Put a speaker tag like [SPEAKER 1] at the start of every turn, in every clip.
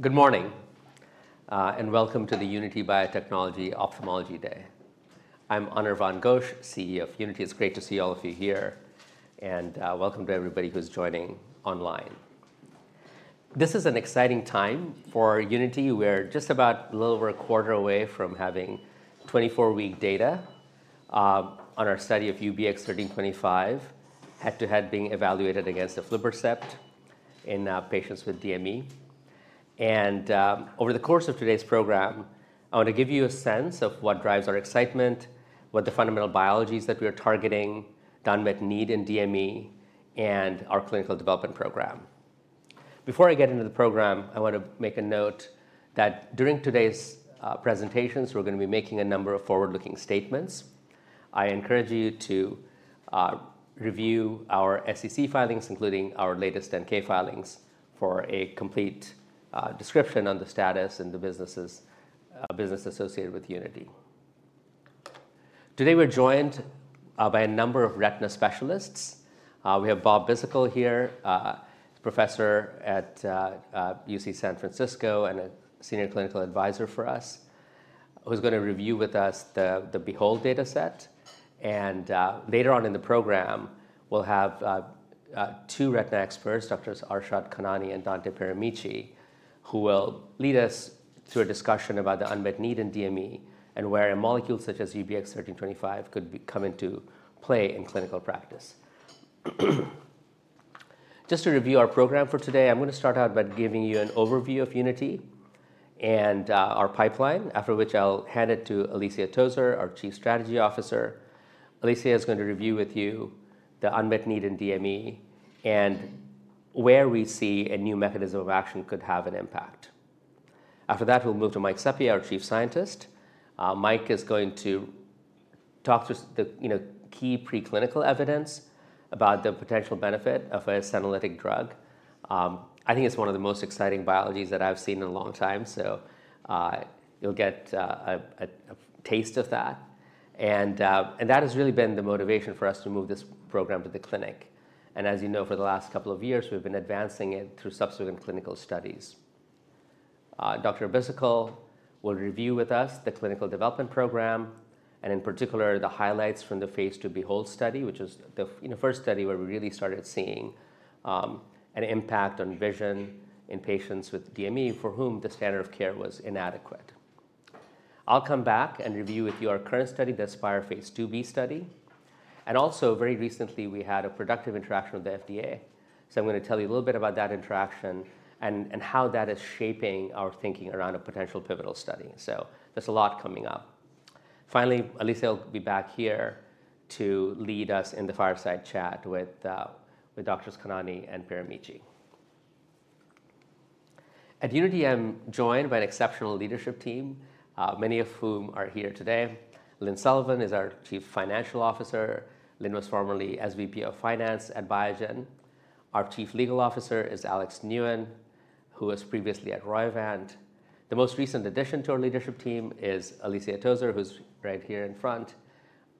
[SPEAKER 1] Good morning, and welcome to the Unity Biotechnology Ophthalmology Day. I'm Anirvan Ghosh, CEO of Unity. It's great to see all of you here, and welcome to everybody who's joining online. This is an exciting time for Unity. We're just about a little over a quarter away from having twenty-four-week data on our study of UBX1325, head-to-head being evaluated against aflibercept in patients with DME. Over the course of today's program, I want to give you a sense of what drives our excitement, what the fundamental biologies that we are targeting, unmet need in DME, and our clinical development program. Before I get into the program, I want to make a note that during today's presentations, we're gonna be making a number of forward-looking statements. I encourage you to review our SEC filings, including our latest 10-K filings, for a complete description on the status and the business associated with Unity. Today, we're joined by a number of retina specialists. We have Bob Bhisitkul here, professor at UC San Francisco and a senior clinical advisor for us, who's gonna review with us the BEHOLD data set. Later on in the program, we'll have two retina experts, Doctors Arshad Khanani and Dante Pieramici, who will lead us through a discussion about the unmet need in DME and where a molecule such as UBX1325 could become into play in clinical practice. Just to review our program for today, I'm gonna start out by giving you an overview of Unity and our pipeline, after which I'll hand it to Alicia Tozier, our Chief Strategy Officer. Alicia is going to review with you the unmet need in DME and where we see a new mechanism of action could have an impact. After that, we'll move to Mike Sapieha, our Chief Scientist. Mike is going to talk to the, you know, key preclinical evidence about the potential benefit of a Senolytic drug. I think it's one of the most exciting biologies that I've seen in a long time, so you'll get a taste of that. And that has really been the motivation for us to move this program to the clinic. As you know, for the last couple of years, we've been advancing it through subsequent clinical studies. Dr. Bhisitkul will review with us the clinical development program, and in particular, the highlights from the phase 2 BEHOLD study, which is the first study where we really started seeing an impact on vision in patients with DME for whom the standard of care was inadequate. I'll come back and review with you our current study, the ASPIRE phase II-B study, and also very recently, we had a productive interaction with the FDA. So I'm gonna tell you a little bit about that interaction and how that is shaping our thinking around a potential pivotal study. So there's a lot coming up. Finally, Alicia will be back here to lead us in the fireside chat with Doctors Khanani and Pieramici. At Unity, I'm joined by an exceptional leadership team, many of whom are here today. Lynne Sullivan is our Chief Financial Officer. Lynne was formerly SVP of finance at Biogen. Our Chief Legal Officer is Alex Nguyen, who was previously at Roivant. The most recent addition to our leadership team is Alicia Tozier, who's right here in front.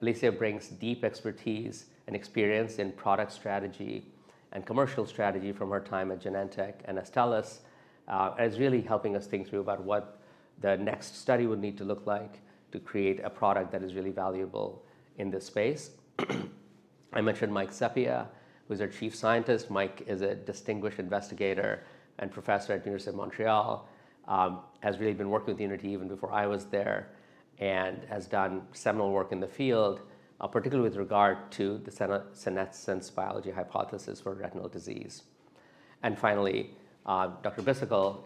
[SPEAKER 1] Alicia brings deep expertise and experience in product strategy and commercial strategy from her time at Genentech and Astellas, and is really helping us think through about what the next study would need to look like to create a product that is really valuable in this space. I mentioned Mike Sapieha, who's our Chief Scientist. Mike is a distinguished investigator and professor at University of Montreal. Has really been working with Unity even before I was there and has done seminal work in the field, particularly with regard to the senescence biology hypothesis for retinal disease. And finally, Dr. Bhisitkul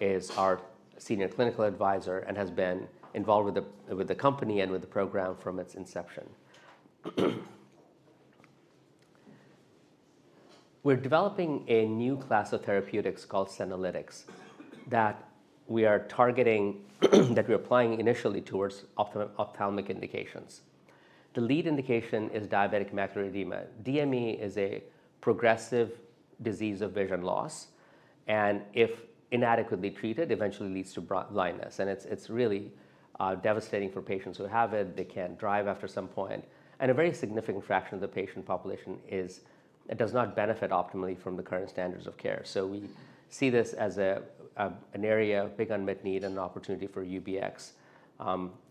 [SPEAKER 1] is our senior clinical advisor and has been involved with the company and with the program from its inception. We're developing a new class of therapeutics called Senolytics that we are targeting, that we're applying initially towards ophthalmic indications. The lead indication is diabetic macular edema. DME is a progressive disease of vision loss, and if inadequately treated, eventually leads to blindness. And it's really devastating for patients who have it. They can't drive after some point. And a very significant fraction of the patient population is... it does not benefit optimally from the current standards of care. So we see this as an area of big unmet need and an opportunity for UBX.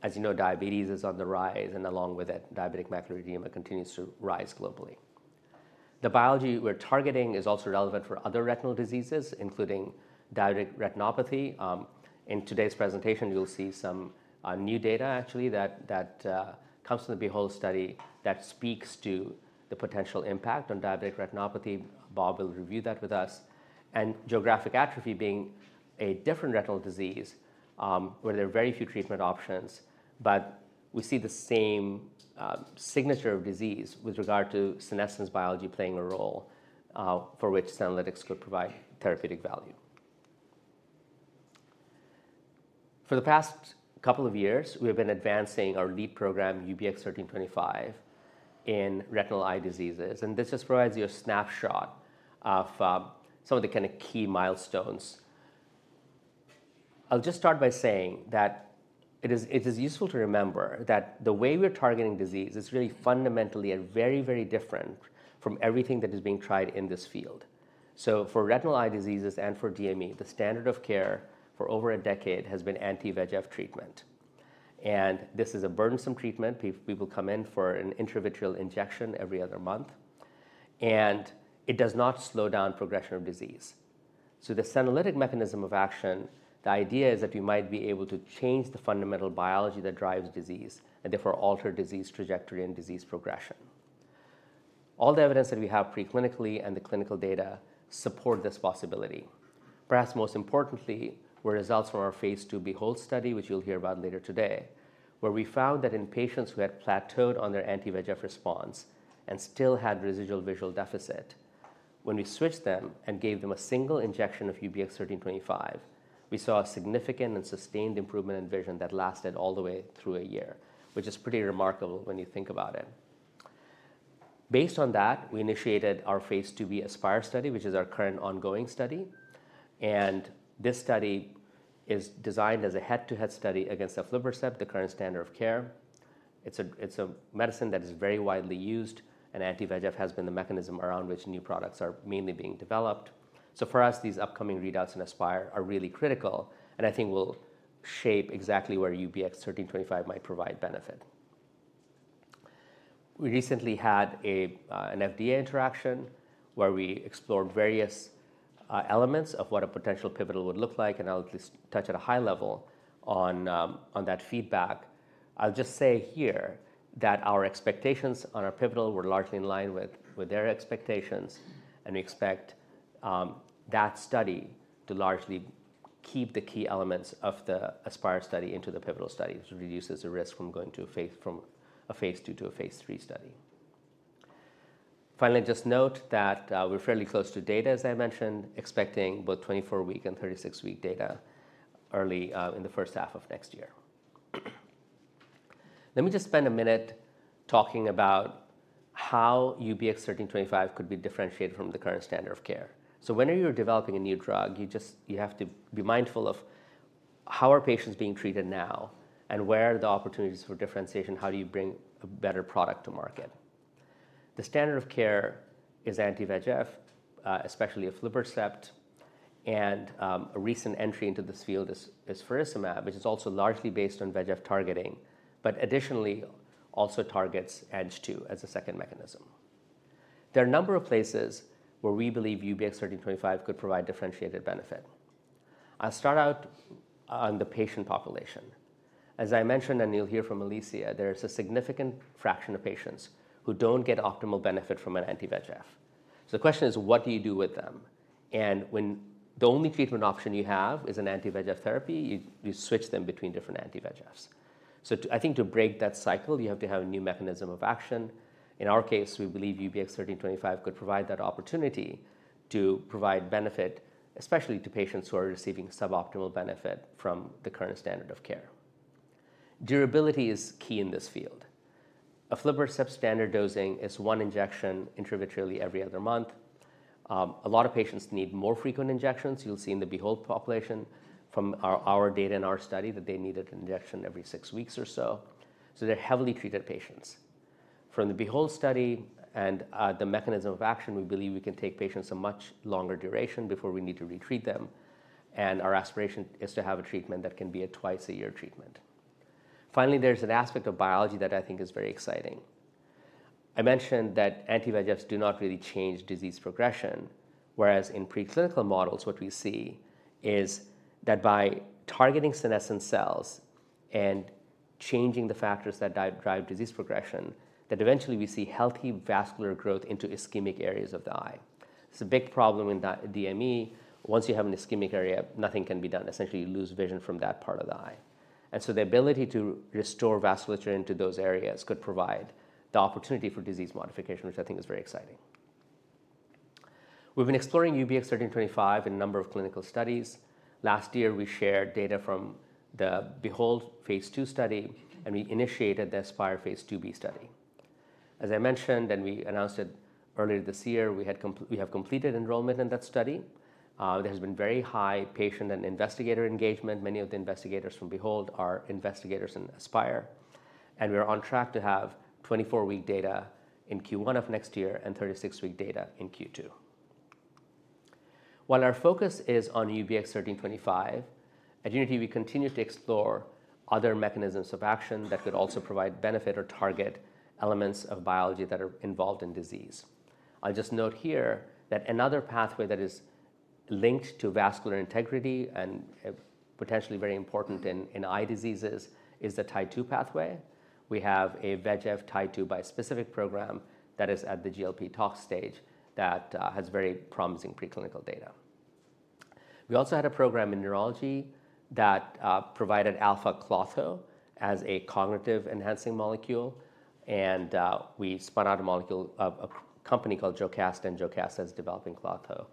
[SPEAKER 1] As you know, diabetes is on the rise, and along with it, diabetic macular edema continues to rise globally. The biology we're targeting is also relevant for other retinal diseases, including diabetic retinopathy. In today's presentation, you'll see some new data actually that comes from the BEHOLD study that speaks to the potential impact on diabetic retinopathy. Bob will review that with us. And geographic atrophy being a different retinal disease, where there are very few treatment options, but we see the same signature of disease with regard to senescence biology playing a role, for which senolytics could provide therapeutic value. For the past couple of years, we have been advancing our lead program, UBX1325, in retinal eye diseases, and this just provides you a snapshot of some of the kind of key milestones. I'll just start by saying that it is useful to remember that the way we're targeting disease is really fundamentally and very, very different from everything that is being tried in this field. For retinal eye diseases and for DME, the standard of care for over a decade has been anti-VEGF treatment, and this is a burdensome treatment. People come in for an intravitreal injection every other month, and it does not slow down progression of disease, so the senolytic mechanism of action, the idea is that we might be able to change the fundamental biology that drives disease, and therefore alter disease trajectory and disease progression. All the evidence that we have pre-clinically and the clinical data support this possibility. Perhaps most importantly, were results from our phase II BEHOLD study, which you'll hear about later today, where we found that in patients who had plateaued on their anti-VEGF response and still had residual visual deficit, when we switched them and gave them a single injection of UBX1325, we saw a significant and sustained improvement in vision that lasted all the way through a year, which is pretty remarkable when you think about it. Based on that, we initiated our phase II-B ASPIRE study, which is our current ongoing study, and this study is designed as a head-to-head study against aflibercept, the current standard of care. It's a medicine that is very widely used, and anti-VEGF has been the mechanism around which new products are mainly being developed. So for us, these upcoming readouts in ASPIRE are really critical, and I think will shape exactly where UBX1325 might provide benefit. We recently had an FDA interaction where we explored various elements of what a potential pivotal would look like, and I'll just touch at a high level on that feedback. I'll just say here that our expectations on our pivotal were largely in line with their expectations, and we expect that study to largely keep the key elements of the ASPIRE study into the pivotal study, which reduces the risk from going from a phase II to a phase III study. Finally, just note that we're fairly close to data, as I mentioned, expecting both twenty-four-week and thirty-six-week data early in the first half of next year. Let me just spend a minute talking about how UBX1325 could be differentiated from the current standard of care, so whenever you're developing a new drug, you have to be mindful of: How are patients being treated now? And where are the opportunities for differentiation? How do you bring a better product to market? The standard of care is anti-VEGF, especially aflibercept, and a recent entry into this field is faricimab, which is also largely based on VEGF targeting, but additionally also targets Ang2 as a second mechanism. There are a number of places where we believe UBX1325 could provide differentiated benefit. I'll start out on the patient population. As I mentioned, and you'll hear from Alicia, there is a significant fraction of patients who don't get optimal benefit from an anti-VEGF, so the question is: What do you do with them? And when the only treatment option you have is an anti-VEGF therapy, you switch them between different anti-VEGFs. So to I think to break that cycle, you have to have a new mechanism of action. In our case, we believe UBX1325 could provide that opportunity to provide benefit, especially to patients who are receiving suboptimal benefit from the current standard of care. Durability is key in this field. Aflibercept standard dosing is one injection intravitreally every other month. A lot of patients need more frequent injections. You'll see in the BEHOLD population from our data and our study that they needed an injection every six weeks or so. So they're heavily treated patients. From the BEHOLD study and the mechanism of action, we believe we can take patients a much longer duration before we need to retreat them, and our aspiration is to have a treatment that can be a twice-a-year treatment. Finally, there's an aspect of biology that I think is very exciting. I mentioned that anti-VEGFs do not really change disease progression, whereas in preclinical models, what we see is that by targeting senescent cells and changing the factors that drive disease progression, that eventually we see healthy vascular growth into ischemic areas of the eye. It's a big problem in DME. Once you have an ischemic area, nothing can be done. Essentially, you lose vision from that part of the eye. And so the ability to restore vasculature into those areas could provide the opportunity for disease modification, which I think is very exciting. We've been exploring UBX1325 in a number of clinical studies. Last year, we shared data from the BEHOLD phase II study, and we initiated the ASPIRE phase II-B study. As I mentioned, and we announced it earlier this year, we have completed enrollment in that study. There has been very high patient and investigator engagement. Many of the investigators from BEHOLD are investigators in ASPIRE, and we are on track to have twenty-four-week data in Q1 of next year and thirty-six-week data in Q2. While our focus is on UBX1325, at Unity, we continue to explore other mechanisms of action that could also provide benefit or target elements of biology that are involved in disease. I'll just note here that another pathway that is linked to vascular integrity and potentially very important in eye diseases is the Tie2 pathway. We have a VEGF/Tie2 bispecific program that is at the GLP tox stage that has very promising preclinical data. We also had a program in neurology that provided alpha klotho as a cognitive-enhancing molecule, and we spun out a molecule of a company called Jocasta, and Jocasta is developing Klotho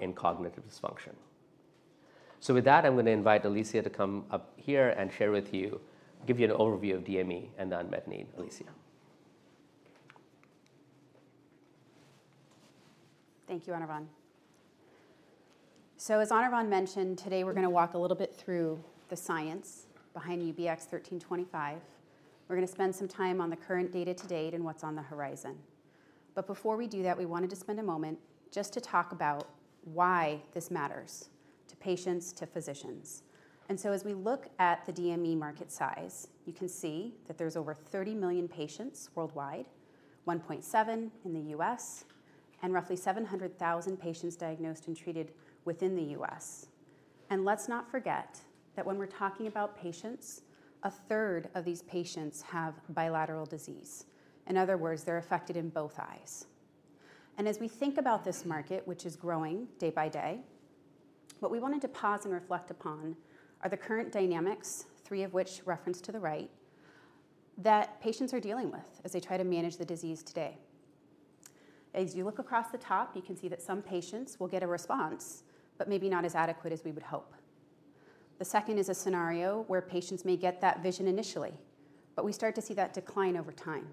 [SPEAKER 1] in cognitive dysfunction. So with that, I'm going to invite Alicia to come up here and share with you, give you an overview of DME and the unmet need. Alicia?...
[SPEAKER 2] Thank you, Anirvan. So as Anirvan mentioned, today we're going to walk a little bit through the science behind UBX1325. We're going to spend some time on the current data to date and what's on the horizon. But before we do that, we wanted to spend a moment just to talk about why this matters to patients, to physicians. And so as we look at the DME market size, you can see that there's over 30 million patients worldwide, 1.7 in the US, and roughly 700,000 patients diagnosed and treated within the US. And let's not forget that when we're talking about patients, a third of these patients have bilateral disease. In other words, they're affected in both eyes. And as we think about this market, which is growing day-by-day, what we wanted to pause and reflect upon are the current dynamics, three of which referenced to the right, that patients are dealing with as they try to manage the disease today. As you look across the top, you can see that some patients will get a response, but maybe not as adequate as we would hope. The second is a scenario where patients may get that vision initially, but we start to see that decline over time.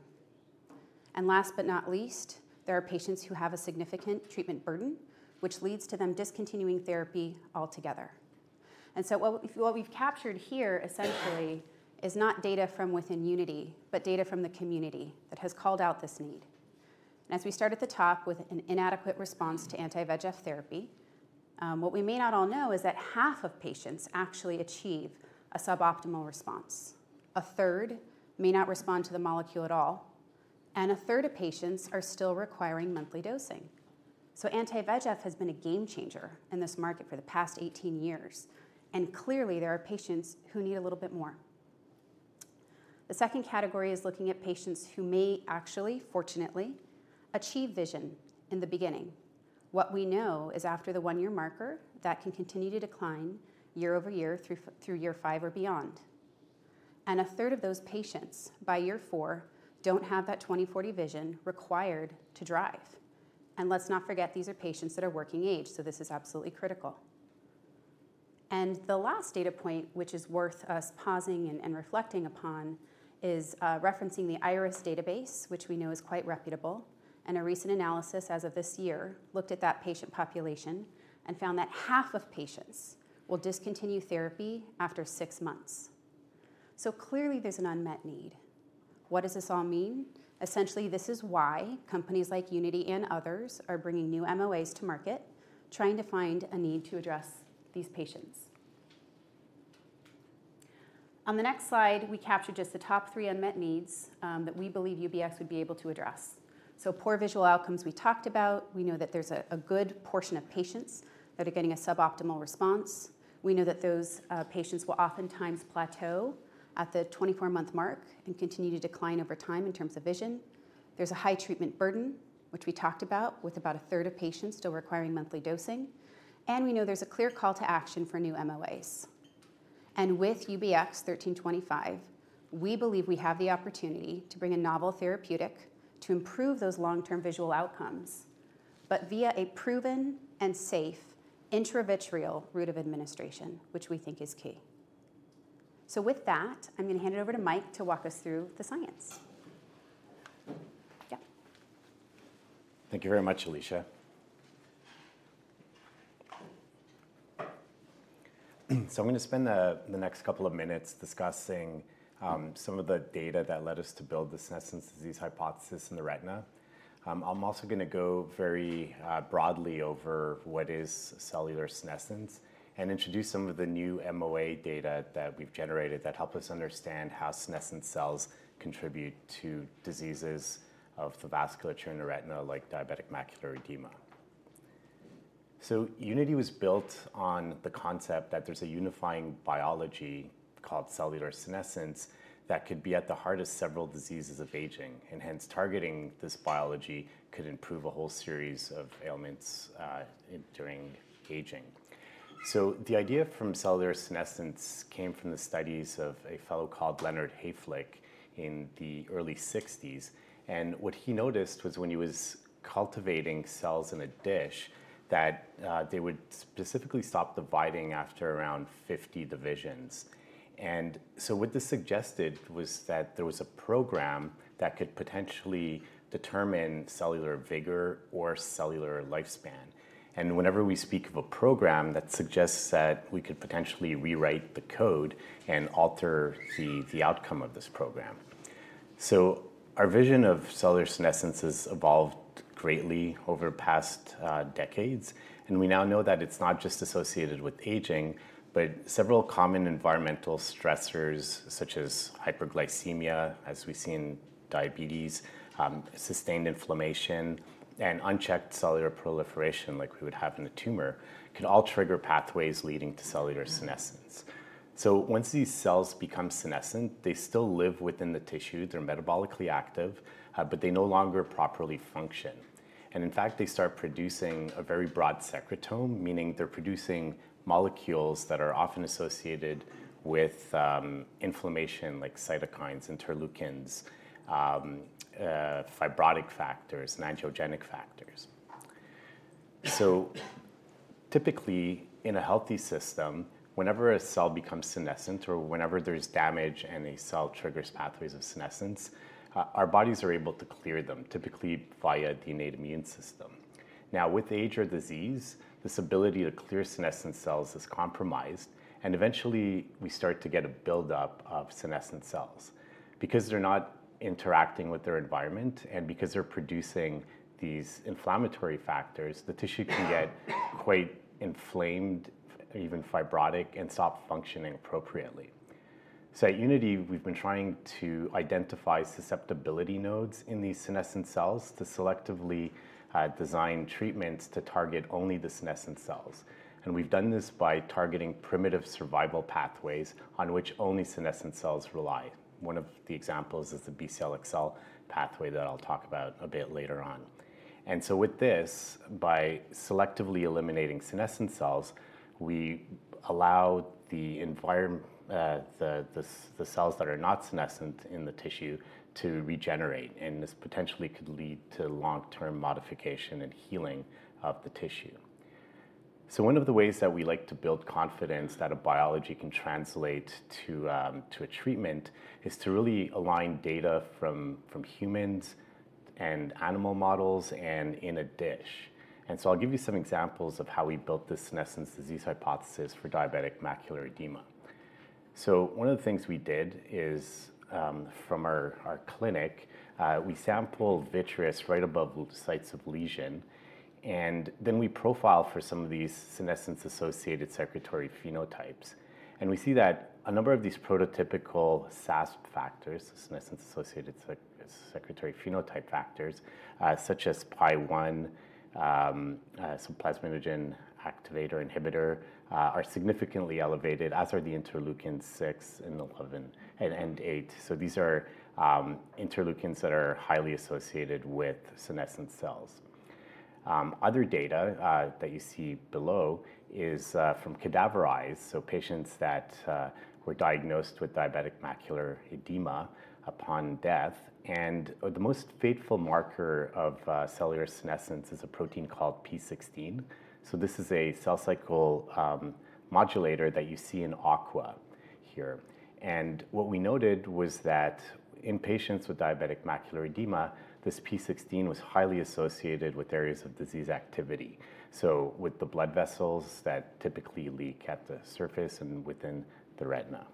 [SPEAKER 2] And last but not least, there are patients who have a significant treatment burden, which leads to them discontinuing therapy altogether. And so what we've captured here essentially is not data from within Unity, but data from the community that has called out this need. As we start at the top with an inadequate response to anti-VEGF therapy, what we may not all know is that half of patients actually achieve a suboptimal response. A third may not respond to the molecule at all, and a third of patients are still requiring monthly dosing. anti-VEGF has been a game changer in this market for the past 18 years, and clearly, there are patients who need a little bit more. The second category is looking at patients who may actually, fortunately, achieve vision in the beginning. What we know is after the one-year marker, that can continue to decline year-over-year through year five or beyond. A third of those patients, by year four, don't have that 20/40 vision required to drive. Let's not forget, these are patients that are working age, so this is absolutely critical. The last data point, which is worth us pausing and reflecting upon, is referencing the IRIS database, which we know is quite reputable. A recent analysis as of this year looked at that patient population and found that half of patients will discontinue therapy after six months. Clearly, there's an unmet need. What does this all mean? Essentially, this is why companies like Unity and others are bringing new MOAs to market, trying to find a need to address these patients. On the next slide, we captured just the top three unmet needs, that we believe UBX would be able to address. Poor visual outcomes we talked about. We know that there's a good portion of patients that are getting a suboptimal response. We know that those patients will oftentimes plateau at the twenty-four-month mark and continue to decline over time in terms of vision. There's a high treatment burden, which we talked about, with about a third of patients still requiring monthly dosing. And we know there's a clear call to action for new MOAs. And with UBX1325, we believe we have the opportunity to bring a novel therapeutic to improve those long-term visual outcomes, but via a proven and safe intravitreal route of administration, which we think is key. So with that, I'm going to hand it over to Mike to walk us through the science. Yep.
[SPEAKER 3] Thank you very much, Alicia. So I'm going to spend the next couple of minutes discussing some of the data that led us to build the senescence disease hypothesis in the retina. I'm also going to go very broadly over what is cellular senescence and introduce some of the new MOA data that we've generated that help us understand how senescent cells contribute to diseases of the vasculature in the retina, like diabetic macular edema. So Unity was built on the concept that there's a unifying biology called cellular senescence that could be at the heart of several diseases of aging, and hence, targeting this biology could improve a whole series of ailments during aging. So the idea from cellular senescence came from the studies of a fellow called Leonard Hayflick in the early sixties, and what he noticed was when he was cultivating cells in a dish that they would specifically stop dividing after around fifty divisions. And so what this suggested was that there was a program that could potentially determine cellular vigor or cellular lifespan. And whenever we speak of a program, that suggests that we could potentially rewrite the code and alter the outcome of this program. So our vision of cellular senescence has evolved greatly over the past decades, and we now know that it's not just associated with aging, but several common environmental stressors, such as hyperglycemia, as we see in diabetes, sustained inflammation, and unchecked cellular proliferation, like we would have in a tumor, can all trigger pathways leading to cellular senescence. Once these cells become senescent, they still live within the tissue. They're metabolically active, but they no longer properly function. And in fact, they start producing a very broad secretome, meaning they're producing molecules that are often associated with inflammation, like cytokines, interleukins, fibrotic factors and angiogenic factors. Typically, in a healthy system, whenever a cell becomes senescent or whenever there's damage and a cell triggers pathways of senescence, our bodies are able to clear them, typically via the innate immune system. Now, with age or disease, this ability to clear senescent cells is compromised, and eventually, we start to get a build-up of senescent cells. Because they're not interacting with their environment and because they're producing these inflammatory factors, the tissue can get quite inflamed, even fibrotic, and stop functioning appropriately. At Unity, we've been trying to identify susceptibility nodes in these senescent cells to selectively design treatments to target only the senescent cells. We've done this by targeting primitive survival pathways on which only senescent cells rely. One of the examples is the Bcl-xL pathway that I'll talk about a bit later on. With this, by selectively eliminating senescent cells, we allow the environment, the cells that are not senescent in the tissue to regenerate, and this potentially could lead to long-term modification and healing of the tissue. One of the ways that we like to build confidence that a biology can translate to a treatment is to really align data from humans and animal models and in a dish. I'll give you some examples of how we built this senescence disease hypothesis for diabetic macular edema. One of the things we did is, from our clinic, we sampled vitreous right above sites of lesion, and then we profiled for some of these senescence-associated secretory phenotypes. We see that a number of these prototypical SASP factors, senescence-associated secretory phenotype factors, such as PAI-1, some plasminogen activator inhibitor, are significantly elevated, as are the interleukin six and eleven and eight. These are interleukins that are highly associated with senescent cells. Other data that you see below is from cadaver eyes, so patients that were diagnosed with diabetic macular edema upon death. The most faithful marker of cellular senescence is a protein called p16. So this is a cell cycle modulator that you see in aqua here. And what we noted was that in patients with diabetic macular edema, this p16 was highly associated with areas of disease activity, so with the blood vessels that typically leak at the surface and within the retina.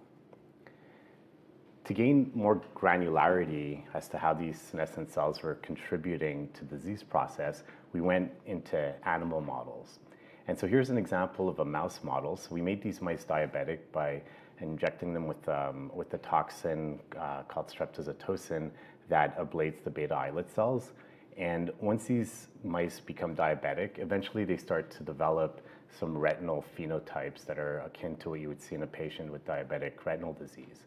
[SPEAKER 3] To gain more granularity as to how these senescent cells were contributing to disease process, we went into animal models. And so here's an example of a mouse model. So we made these mice diabetic by injecting them with a toxin called streptozotocin, that ablates the beta islet cells. And once these mice become diabetic, eventually they start to develop some retinal phenotypes that are akin to what you would see in a patient with diabetic retinal disease.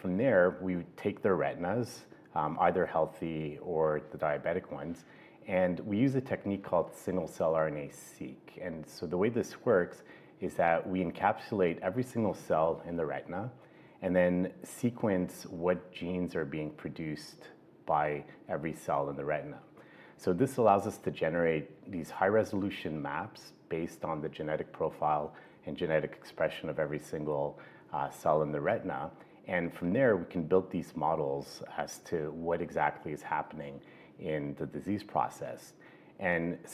[SPEAKER 3] From there, we would take their retinas, either healthy or the diabetic ones, and we use a technique called single-cell RNA-seq. The way this works is that we encapsulate every single cell in the retina and then sequence what genes are being produced by every cell in the retina. This allows us to generate these high-resolution maps based on the genetic profile and genetic expression of every single cell in the retina, and from there, we can build these models as to what exactly is happening in the disease process.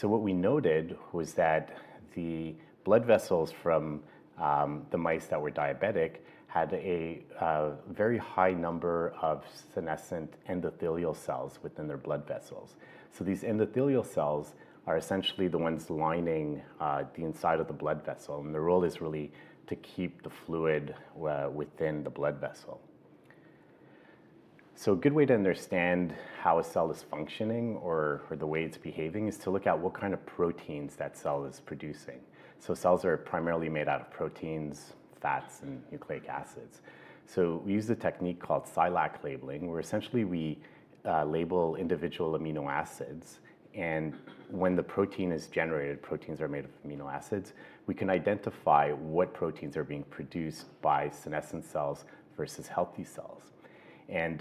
[SPEAKER 3] What we noted was that the blood vessels from the mice that were diabetic had a very high number of senescent endothelial cells within their blood vessels. These endothelial cells are essentially the ones lining the inside of the blood vessel, and their role is really to keep the fluid within the blood vessel. A good way to understand how a cell is functioning or the way it's behaving is to look at what kind of proteins that cell is producing. Cells are primarily made out of proteins, fats, and nucleic acids. We use a technique called SILAC labeling, where essentially we label individual amino acids, and when the protein is generated, proteins are made of amino acids. We can identify what proteins are being produced by senescent cells versus healthy cells.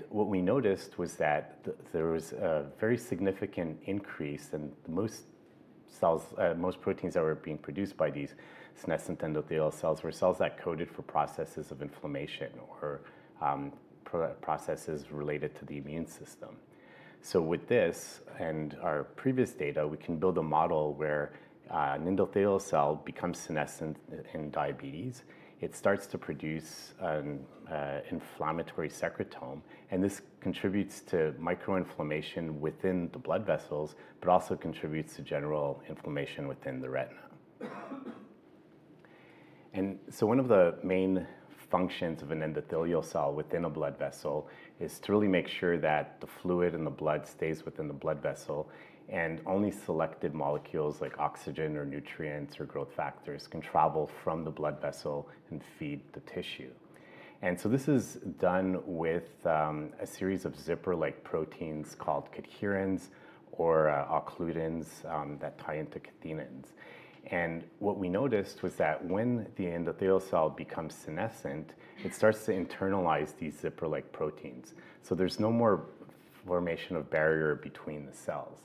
[SPEAKER 3] What we noticed was that there was a very significant increase, and most proteins that were being produced by these senescent endothelial cells were cells that coded for processes of inflammation or processes related to the immune system. With this and our previous data, we can build a model where an endothelial cell becomes senescent in diabetes. It starts to produce an inflammatory secretome, and this contributes to micro inflammation within the blood vessels, but also contributes to general inflammation within the retina. One of the main functions of an endothelial cell within a blood vessel is to really make sure that the fluid and the blood stays within the blood vessel, and only selected molecules, like oxygen or nutrients or growth factors, can travel from the blood vessel and feed the tissue. And so this is done with a series of zipper-like proteins called cadherins or occludins that tie into catenins. And what we noticed was that when the endothelial cell becomes senescent, it starts to internalize these zipper-like proteins. So there's no more formation of barrier between the cells.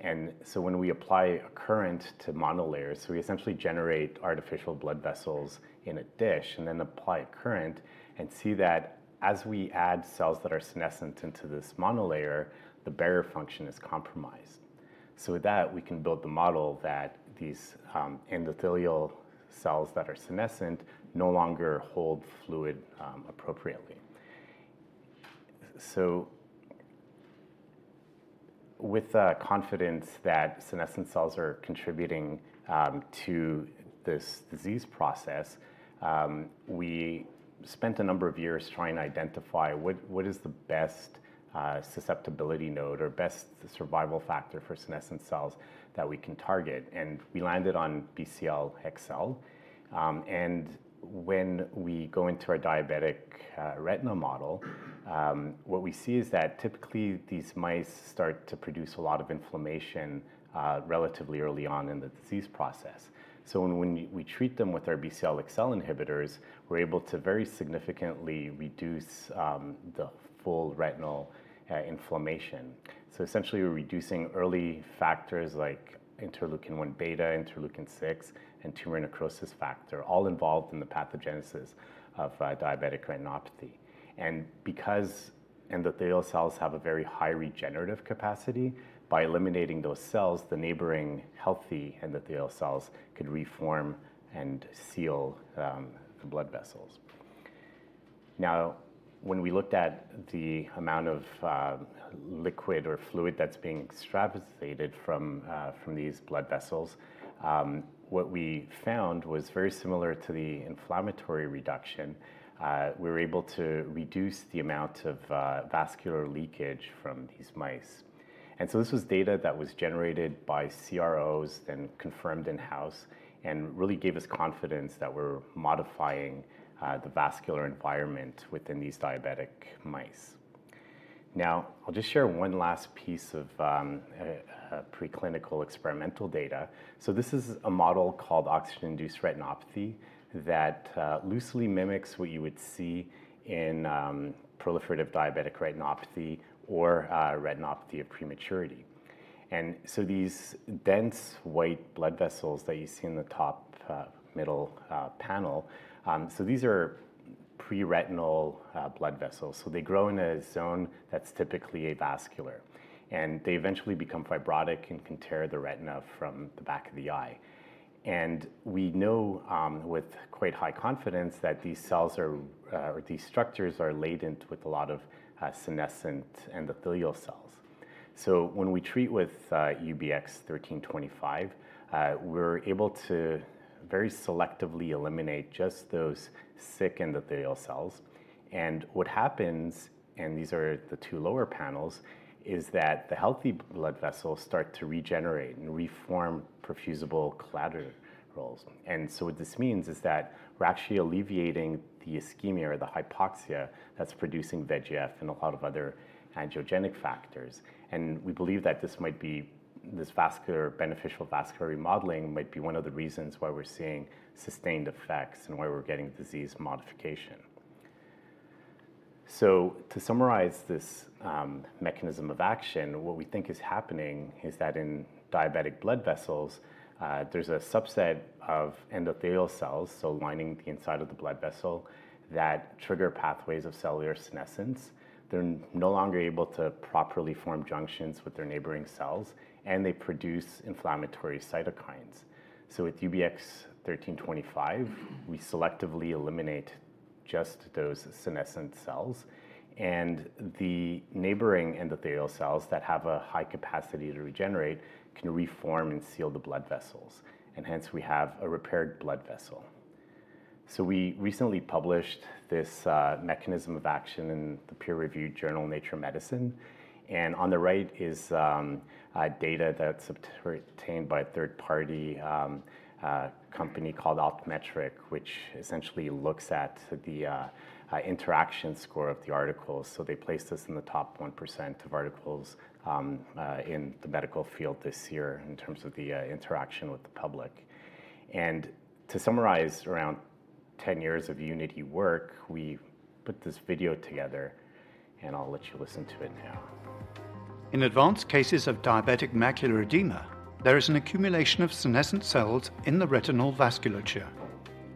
[SPEAKER 3] And so when we apply a current to monolayers, so we essentially generate artificial blood vessels in a dish, and then apply a current, and see that as we add cells that are senescent into this monolayer, the barrier function is compromised. So with that, we can build the model that these endothelial cells that are senescent no longer hold fluid appropriately. So with the confidence that senescent cells are contributing to this disease process, we spent a number of years trying to identify what is the best susceptibility node or best survival factor for senescent cells that we can target, and we landed on Bcl-xL. And when we go into our diabetic retina model, what we see is that typically these mice start to produce a lot of inflammation relatively early on in the disease process. So when we treat them with our Bcl-xL inhibitors, we're able to very significantly reduce the full retinal inflammation. So essentially, we're reducing early factors like interleukin-1 beta, interleukin-6, and tumor necrosis factor, all involved in the pathogenesis of diabetic retinopathy. Because endothelial cells have a very high regenerative capacity, by eliminating those cells, the neighboring healthy endothelial cells could reform and seal the blood vessels. Now, when we looked at the amount of liquid or fluid that's being extravasated from these blood vessels, what we found was very similar to the inflammatory reduction. We were able to reduce the amount of vascular leakage from these mice. This was data that was generated by CROs, then confirmed in-house, and really gave us confidence that we're modifying the vascular environment within these diabetic mice. Now, I'll just share one last piece of preclinical experimental data. This is a model called oxygen-induced retinopathy that loosely mimics what you would see in proliferative diabetic retinopathy or retinopathy of prematurity. And so these dense white blood vessels that you see in the top, middle, panel, so these are pre-retinal blood vessels. So they grow in a zone that's typically avascular, and they eventually become fibrotic and can tear the retina from the back of the eye. And we know, with quite high confidence that these cells are, or these structures are latent with a lot of, senescent endothelial cells. So when we treat with, UBX1325, we're able to very selectively eliminate just those sick endothelial cells. And what happens, and these are the two lower panels, is that the healthy blood vessels start to regenerate and reform perfusible collaterals. And so what this means is that we're actually alleviating the ischemia or the hypoxia that's producing VEGF and a lot of other angiogenic factors. We believe that beneficial vascular remodeling might be one of the reasons why we're seeing sustained effects and why we're getting disease modification. To summarize this mechanism of action, what we think is happening is that in diabetic blood vessels, there's a subset of endothelial cells, so lining the inside of the blood vessel, that trigger pathways of cellular senescence. They're no longer able to properly form junctions with their neighboring cells, and they produce inflammatory cytokines. With UBX1325, we selectively eliminate just those senescent cells, and the neighboring endothelial cells that have a high capacity to regenerate can reform and seal the blood vessels, and hence we have a repaired blood vessel. So we recently published this mechanism of action in the peer-reviewed journal, Nature Medicine, and on the right is data that's obtained by a third-party company called Altmetric, which essentially looks at the interaction score of the articles. So they placed us in the top 1% of articles in the medical field this year in terms of the interaction with the public. And to summarize, around 10 years of Unity work, we put this video together, and I'll let you listen to it now. In advanced cases of diabetic macular edema, there is an accumulation of senescent cells in the retinal vasculature.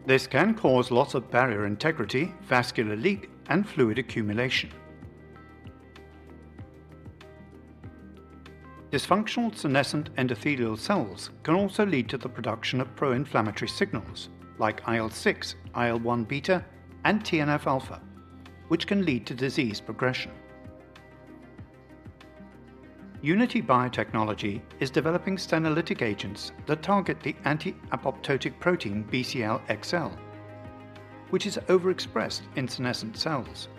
[SPEAKER 3] This can cause loss of barrier integrity, vascular leak, and fluid accumulation. Dysfunctional senescent endothelial cells can also lead to the production of pro-inflammatory signals like IL-6, IL-1 beta, and TNF alpha, which can lead to disease progression. Unity Biotechnology is developing senolytic agents that target the anti-apoptotic protein Bcl-xL, which is overexpressed in senescent cells.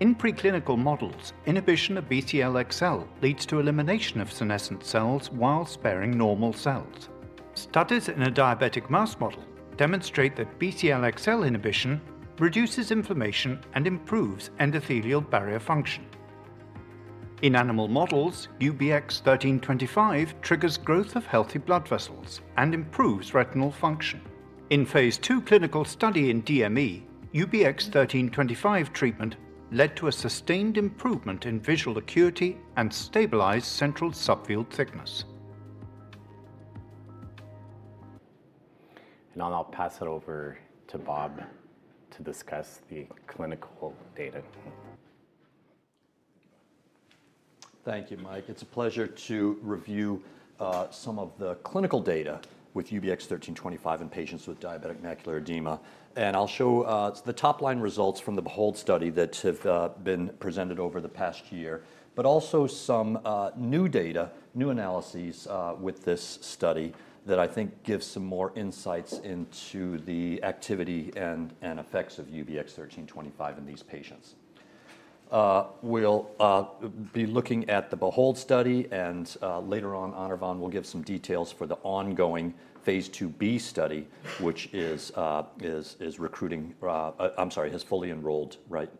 [SPEAKER 3] In preclinical models, inhibition of Bcl-xL leads to elimination of senescent cells while sparing normal cells. Studies in a diabetic mouse model demonstrate that Bcl-xL inhibition reduces inflammation and improves endothelial barrier function. In animal models, UBX1325 triggers growth of healthy blood vessels and improves retinal function. In phase II clinical study in DME, UBX1325 treatment led to a sustained improvement in visual acuity and stabilized central subfield thickness. I'll now pass it over to Bob to discuss the clinical data.
[SPEAKER 4] Thank you, Mike. It's a pleasure to review some of the clinical data with UBX1325 in patients with diabetic macular edema. And I'll show the top-line results from the BEHOLD study that have been presented over the past year, but also some new data, new analyses with this study that I think give some more insights into the activity and effects of UBX1325 in these patients. We'll be looking at the BEHOLD study, and later on, Anirvan will give some details for the ongoing phase II-B study, which is recruiting. I'm sorry, has fully enrolled, right,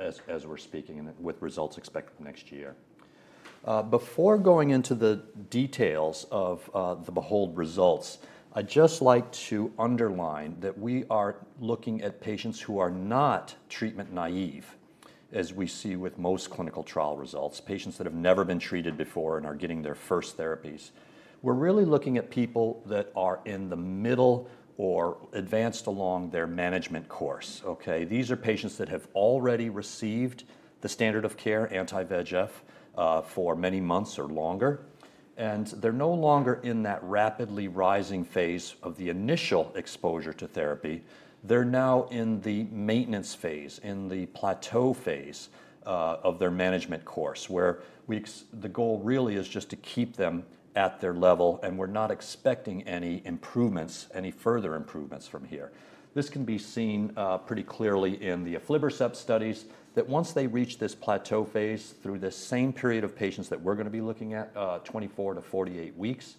[SPEAKER 4] as we're speaking, and with results expected next year. Before going into the details of the BEHOLD results, I'd just like to underline that we are looking at patients who are not treatment naive, as we see with most clinical trial results, patients that have never been treated before and are getting their first therapies. We're really looking at people that are in the middle or advanced along their management course, okay? These are patients that have already received the standard of care, anti-VEGF, for many months or longer, and they're no longer in that rapidly rising phase of the initial exposure to therapy. They're now in the maintenance phase, in the plateau phase, of their management course, where we the goal really is just to keep them at their level, and we're not expecting any improvements, any further improvements from here. This can be seen pretty clearly in the aflibercept studies, that once they reach this plateau phase through the same period of patients that we're going to be looking at, twenty-four to forty-eight weeks,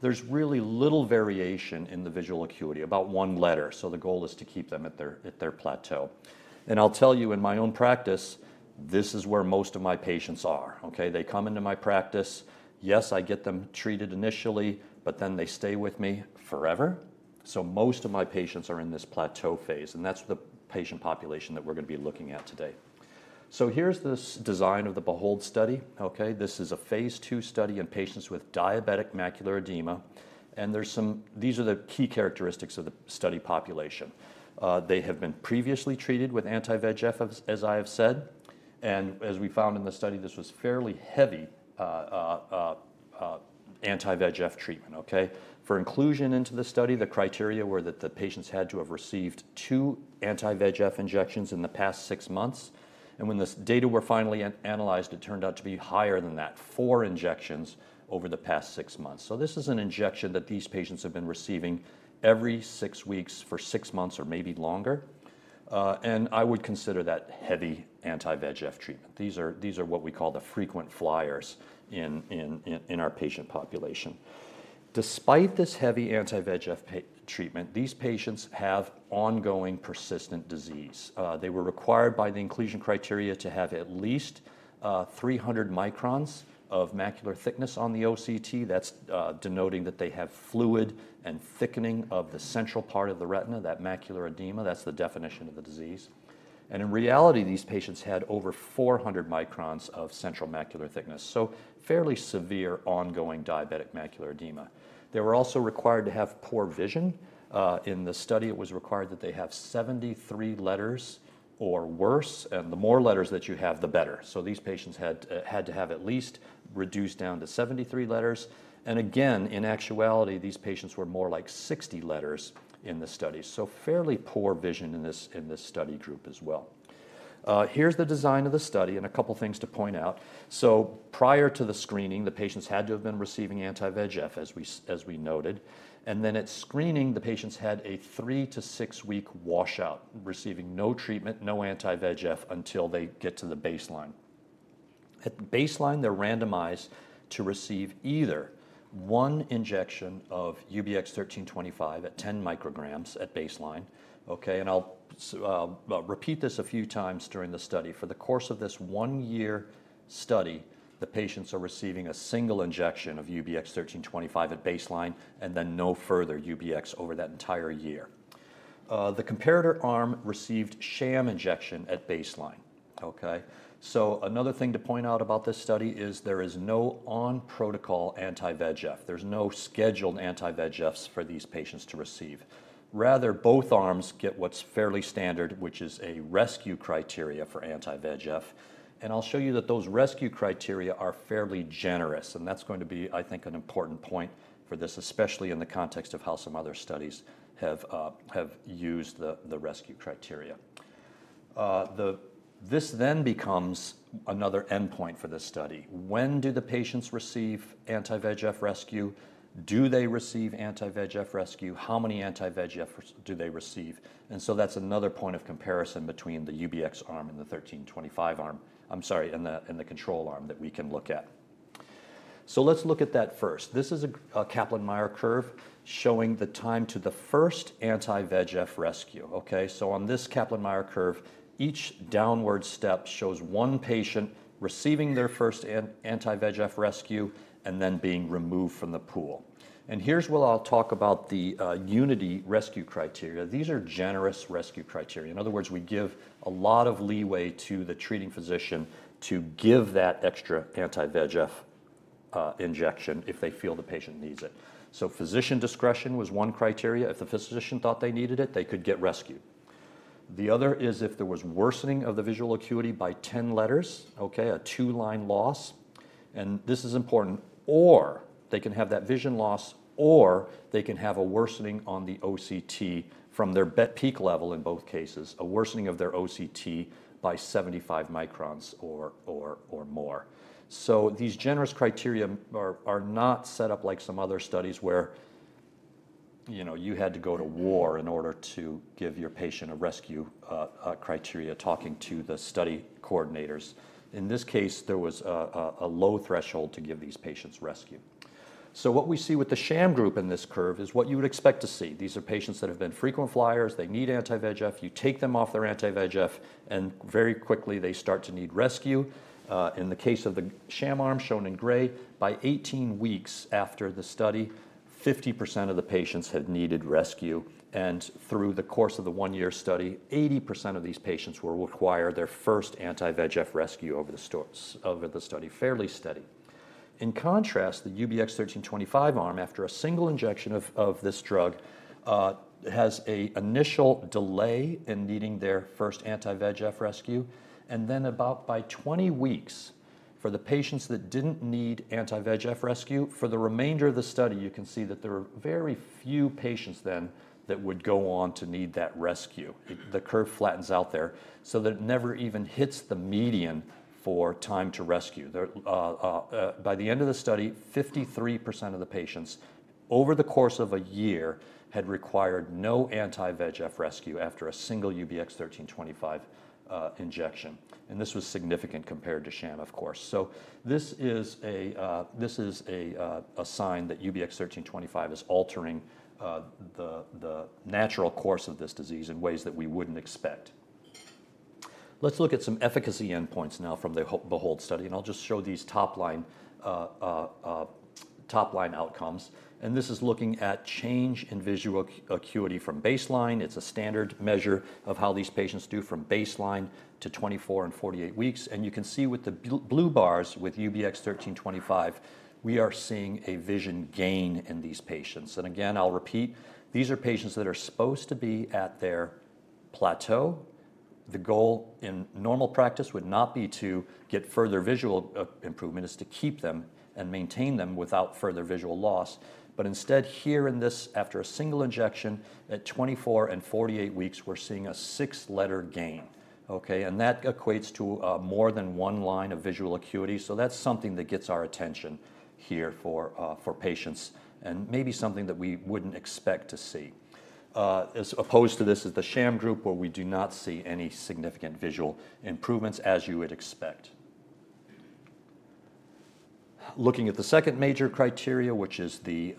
[SPEAKER 4] there's really little variation in the visual acuity, about one letter. So the goal is to keep them at their plateau. And I'll tell you, in my own practice, this is where most of my patients are, okay? They come into my practice. Yes, I get them treated initially, but then they stay with me forever. So most of my patients are in this plateau phase, and that's the patient population that we're going to be looking at today. So here's this design of the BEHOLD study, okay? This is a phase II study in patients with diabetic macular edema, and these are the key characteristics of the study population. They have been previously treated with anti-VEGF, as I have said, and as we found in the study, this was fairly heavy anti-VEGF treatment, okay? For inclusion into the study, the criteria were that the patients had to have received two anti-VEGF injections in the past six months, and when this data were finally analyzed, it turned out to be higher than that, four injections over the past six months. So this is an injection that these patients have been receiving every six weeks for six months or maybe longer, and I would consider that heavy anti-VEGF treatment. These are what we call the frequent flyers in our patient population. Despite this heavy anti-VEGF treatment, these patients have ongoing persistent disease. They were required by the inclusion criteria to have at least three hundred microns of macular thickness on the OCT. That's denoting that they have fluid and thickening of the central part of the retina, that macular edema, that's the definition of the disease, and in reality, these patients had over four hundred microns of central macular thickness, so fairly severe ongoing diabetic macular edema. They were also required to have poor vision. In the study, it was required that they have seventy-three letters or worse, and the more letters that you have, the better. So these patients had to have at least reduced down to seventy-three letters, and again, in actuality, these patients were more like sixty letters in the study. So fairly poor vision in this study group as well. Here's the design of the study and a couple things to point out. So prior to the screening, the patients had to have been receiving anti-VEGF, as we noted, and then at screening, the patients had a three to six-week washout, receiving no treatment, no anti-VEGF, until they get to the baseline. At baseline, they're randomized to receive either one injection of UBX1325 at ten micrograms at baseline, okay? And I'll repeat this a few times during the study. For the course of this one-year study, the patients are receiving a single injection of UBX1325 at baseline and then no further UBX over that entire year. The comparator arm received sham injection at baseline, okay? So another thing to point out about this study is there is no on-protocol anti-VEGF. There's no scheduled anti-VEGFs for these patients to receive. Rather, both arms get what's fairly standard, which is a rescue criteria for anti-VEGF, and I'll show you that those rescue criteria are fairly generous, and that's going to be, I think, an important point for this, especially in the context of how some other studies have used the rescue criteria. This then becomes another endpoint for this study. When do the patients receive anti-VEGF rescue? Do they receive anti-VEGF rescue? How many anti-VEGF do they receive? And so that's another point of comparison between the UBX arm and the 1325 arm. I'm sorry, and the control arm that we can look at. So let's look at that first. This is a Kaplan-Meier curve showing the time to the first anti-VEGF rescue, okay? On this Kaplan-Meier curve, each downward step shows one patient receiving their first anti-VEGF rescue and then being removed from the pool. Here's where I'll talk about the Unity rescue criteria. These are generous rescue criteria. In other words, we give a lot of leeway to the treating physician to give that extra anti-VEGF injection if they feel the patient needs it. Physician discretion was one criteria. If the physician thought they needed it, they could get rescued. The other is if there was worsening of the visual acuity by 10 letters, okay? A two-line loss, and this is important, or they can have that vision loss, or they can have a worsening on the OCT from their peak level in both cases, a worsening of their OCT by 75 microns or more. These generous criteria are not set up like some other studies where, you know, you had to go to war in order to give your patient a rescue criteria, talking to the study coordinators. In this case, there was a low threshold to give these patients rescue. What we see with the sham group in this curve is what you would expect to see. These are patients that have been frequent flyers. They need anti-VEGF. You take them off their anti-VEGF, and very quickly, they start to need rescue. In the case of the sham arm, shown in gray, by 18 weeks after the study, 50% of the patients had needed rescue, and through the course of the one-year study, 80% of these patients will require their first anti-VEGF rescue over the study, fairly steady. In contrast, the UBX1325 arm, after a single injection of this drug, has an initial delay in needing their first anti-VEGF rescue, and then about by twenty weeks, for the patients that didn't need anti-VEGF rescue, for the remainder of the study, you can see that there are very few patients then that would go on to need that rescue. The curve flattens out there so that it never even hits the median for time to rescue. By the end of the study, 53% of the patients over the course of a year had required no anti-VEGF rescue after a single UBX1325 injection, and this was significant compared to sham, of course. So this is a sign that UBX1325 is altering the natural course of this disease in ways that we wouldn't expect. Let's look at some efficacy endpoints now from the BEHOLD study, and I'll just show these top line outcomes, and this is looking at change in visual acuity from baseline. It's a standard measure of how these patients do from baseline to 24 and 48 weeks. And you can see with the blue bars, with UBX1325, we are seeing a vision gain in these patients. And again, I'll repeat, these are patients that are supposed to be at their plateau. The goal in normal practice would not be to get further visual improvement. It's to keep them and maintain them without further visual loss. But instead, here in this, after a single injection at 24 and 48 weeks, we're seeing a six-letter gain, okay? And that equates to more than one line of visual acuity, so that's something that gets our attention here for patients and maybe something that we wouldn't expect to see. As opposed to this is the sham group, where we do not see any significant visual improvements, as you would expect. Looking at the second major criteria, which is the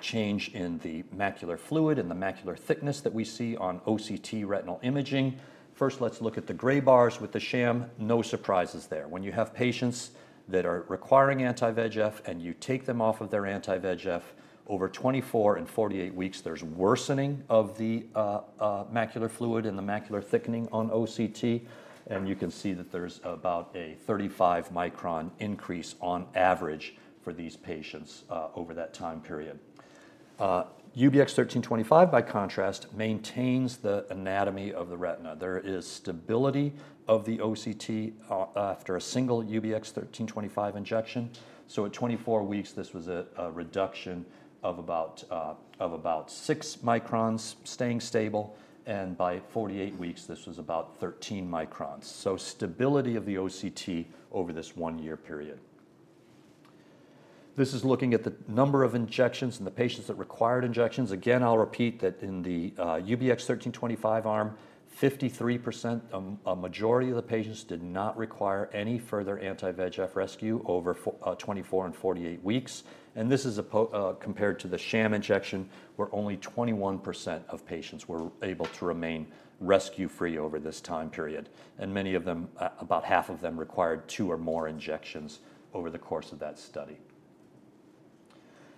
[SPEAKER 4] change in the macular fluid and the macular thickness that we see on OCT retinal imaging, first, let's look at the gray bars with the sham. No surprises there. When you have patients that are requiring anti-VEGF, and you take them off of their anti-VEGF, over 24 and 48 weeks, there's worsening of the macular fluid and the macular thickening on OCT, and you can see that there's about a 35 micron increase on average for these patients over that time period. UBX1325, by contrast, maintains the anatomy of the retina. There is stability of the OCT after a single UBX1325 injection. So at 24 weeks, this was a reduction of about six microns, staying stable, and by 48 weeks, this was about 13 microns. So stability of the OCT over this one-year period. This is looking at the number of injections and the patients that required injections. Again, I'll repeat that in the UBX1325 arm, 53%, a majority of the patients did not require any further anti-VEGF rescue over 24 and 48 weeks, and this is compared to the sham injection, where only 21% of patients were able to remain rescue-free over this time period, and many of them, about half of them, required two or more injections over the course of that study.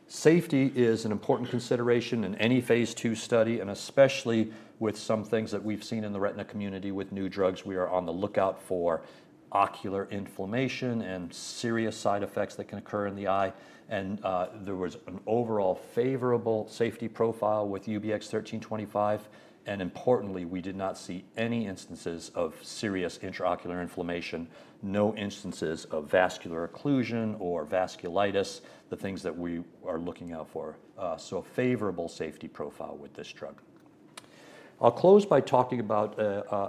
[SPEAKER 4] Safety is an important consideration in any phase II study, and especially with some things that we've seen in the retina community with new drugs, we are on the lookout for ocular inflammation and serious side effects that can occur in the eye. There was an overall favorable safety profile with UBX1325, and importantly, we did not see any instances of serious intraocular inflammation, no instances of vascular occlusion or vasculitis, the things that we are looking out for, so a favorable safety profile with this drug. I'll close by talking about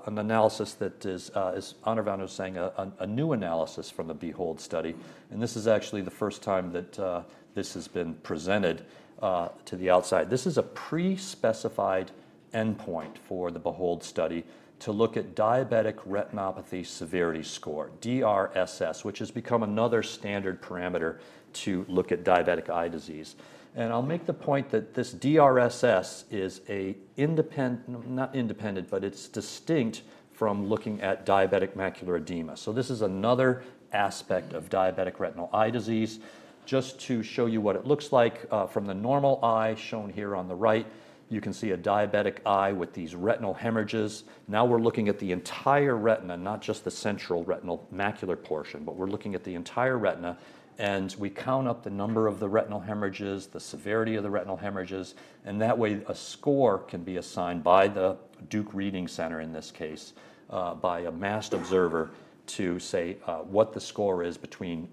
[SPEAKER 4] an analysis that is, as Anirvan was saying, a new analysis from the BEHOLD study, and this is actually the first time that this has been presented to the outside. This is a pre-specified endpoint for the BEHOLD study to look at diabetic retinopathy severity score, DRSS, which has become another standard parameter to look at diabetic eye disease. I'll make the point that this DRSS is a independent - not independent, but it's distinct from looking at diabetic macular edema. So this is another aspect of diabetic retinal eye disease. Just to show you what it looks like, from the normal eye shown here on the right, you can see a diabetic eye with these retinal hemorrhages. Now we're looking at the entire retina, not just the central retinal macular portion, but we're looking at the entire retina, and we count up the number of the retinal hemorrhages, the severity of the retinal hemorrhages, and that way, a score can be assigned by the Duke Reading Center, in this case, by a masked observer, to say, what the score is between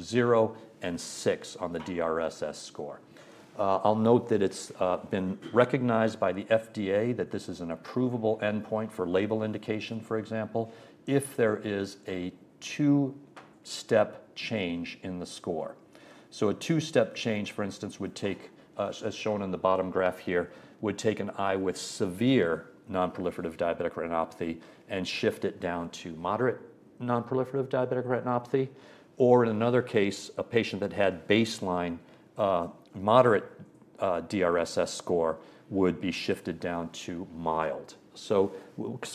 [SPEAKER 4] 0 and 6 on the DRSS score. I'll note that it's been recognized by the FDA that this is an approvable endpoint for label indication, for example, if there is a two-step change in the score. So a two-step change, for instance, would take, as shown in the bottom graph here, would take an eye with severe non-proliferative diabetic retinopathy and shift it down to moderate non-proliferative diabetic retinopathy, or in another case, a patient that had baseline, moderate, DRSS score would be shifted down to mild. So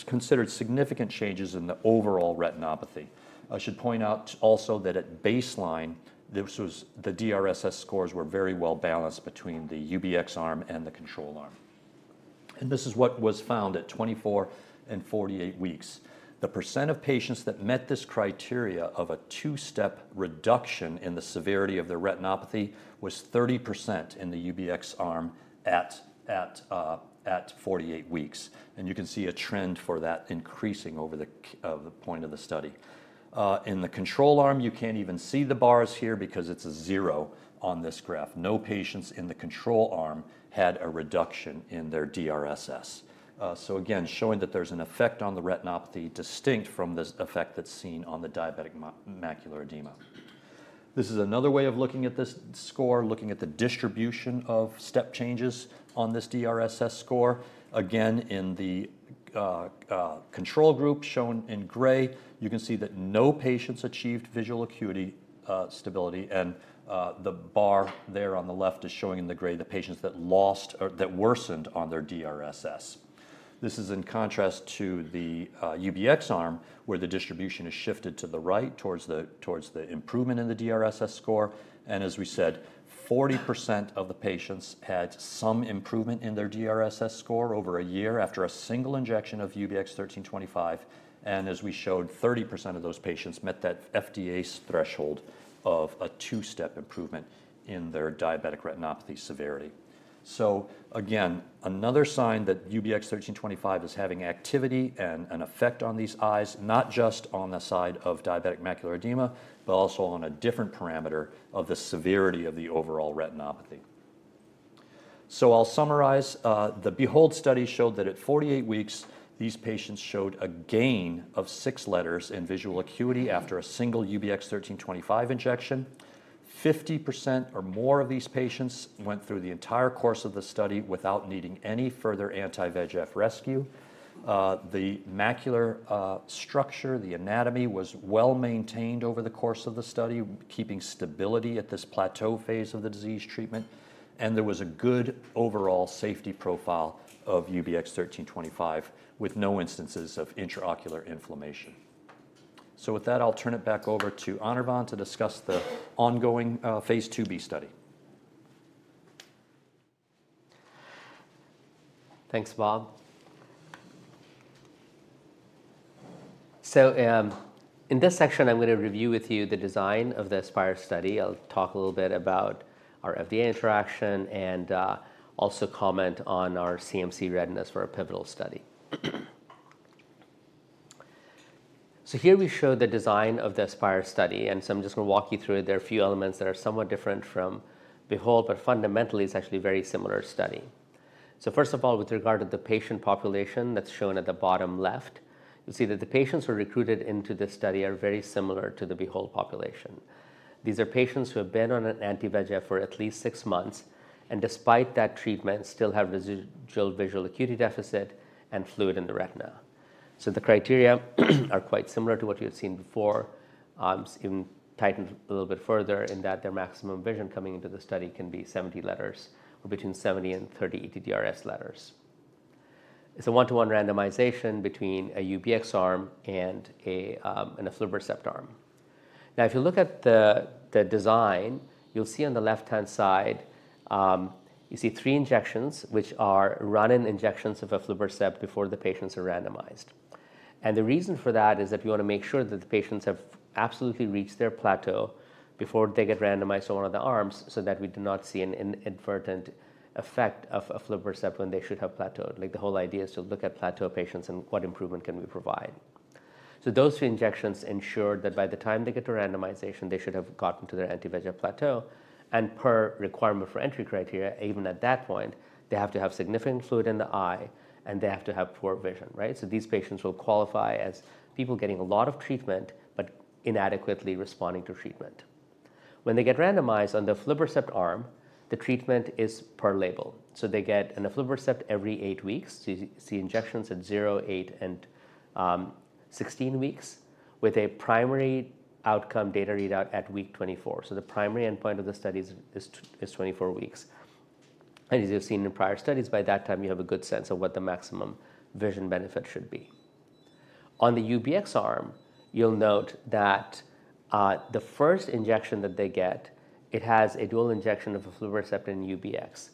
[SPEAKER 4] considered significant changes in the overall retinopathy. I should point out also that at baseline, this was, the DRSS scores were very well balanced between the UBX arm and the control arm. And this is what was found at 24 and 48 weeks. The percent of patients that met this criteria of a two-step reduction in the severity of their retinopathy was 30% in the UBX arm at 48 weeks, and you can see a trend for that increasing over the course of the study. In the control arm, you can't even see the bars here because it's a zero on this graph. No patients in the control arm had a reduction in their DRSS. So again, showing that there's an effect on the retinopathy distinct from this effect that's seen on the diabetic macular edema. This is another way of looking at this score, looking at the distribution of step changes on this DRSS score. Again, in the control group, shown in gray, you can see that no patients achieved visual acuity stability, and the bar there on the left is showing in the gray the patients that lost or that worsened on their DRSS. This is in contrast to the UBX arm, where the distribution is shifted to the right, towards the improvement in the DRSS score. And as we said, 40% of the patients had some improvement in their DRSS score over a year after a single injection of UBX1325. And as we showed, 30% of those patients met that FDA's threshold of a two-step improvement in their diabetic retinopathy severity. So again, another sign that UBX1325 is having activity and an effect on these eyes, not just on the side of diabetic macular edema, but also on a different parameter of the severity of the overall retinopathy. So I'll summarize. The BEHOLD study showed that at 48 weeks, these patients showed a gain of 6 letters in visual acuity after a single UBX1325 injection. 50% or more of these patients went through the entire course of the study without needing any further anti-VEGF rescue. The macular structure, the anatomy, was well-maintained over the course of the study, keeping stability at this plateau phase of the disease treatment, and there was a good overall safety profile of UBX1325, with no instances of intraocular inflammation. So with that, I'll turn it back over to Anirvan to discuss the ongoing phase II-B study.
[SPEAKER 1] Thanks, Bob. So, in this section, I'm going to review with you the design of the ASPIRE study. I'll talk a little bit about our FDA interaction and, also comment on our CMC readiness for a pivotal study. So here we show the design of the ASPIRE study, and so I'm just going to walk you through it. There are a few elements that are somewhat different from BEHOLD, but fundamentally, it's actually a very similar study. So first of all, with regard to the patient population that's shown at the bottom left, you'll see that the patients who are recruited into this study are very similar to the BEHOLD population. These are patients who have been on an anti-VEGF for at least six months, and despite that treatment, still have residual visual acuity deficit and fluid in the retina. So the criteria are quite similar to what you had seen before, even tightened a little bit further in that their maximum vision coming into the study can be 70 letters, or between 70 and 30 ETDRS letters. It's a one-to-one randomization between a UBX arm and an aflibercept arm. Now, if you look at the design, you'll see on the left-hand side, you see three injections, which are run-in injections of aflibercept before the patients are randomized. And the reason for that is that we want to make sure that the patients have absolutely reached their plateau before they get randomized on one of the arms so that we do not see an inadvertent effect of aflibercept when they should have plateaued. Like, the whole idea is to look at plateau patients and what improvement can we provide?... So those three injections ensure that by the time they get to randomization, they should have gotten to their anti-VEGF plateau. And per requirement for entry criteria, even at that point, they have to have significant fluid in the eye, and they have to have poor vision, right? So these patients will qualify as people getting a lot of treatment, but inadequately responding to treatment. When they get randomized on the aflibercept arm, the treatment is per label. So they get an aflibercept every eight weeks. So you see injections at zero, eight, and 16 weeks, with a primary outcome data readout at week 24. So the primary endpoint of the study is 24 weeks. And as you've seen in prior studies, by that time, you have a good sense of what the maximum vision benefit should be. On the UBX arm, you'll note that the first injection that they get, it has a dual injection of aflibercept and UBX,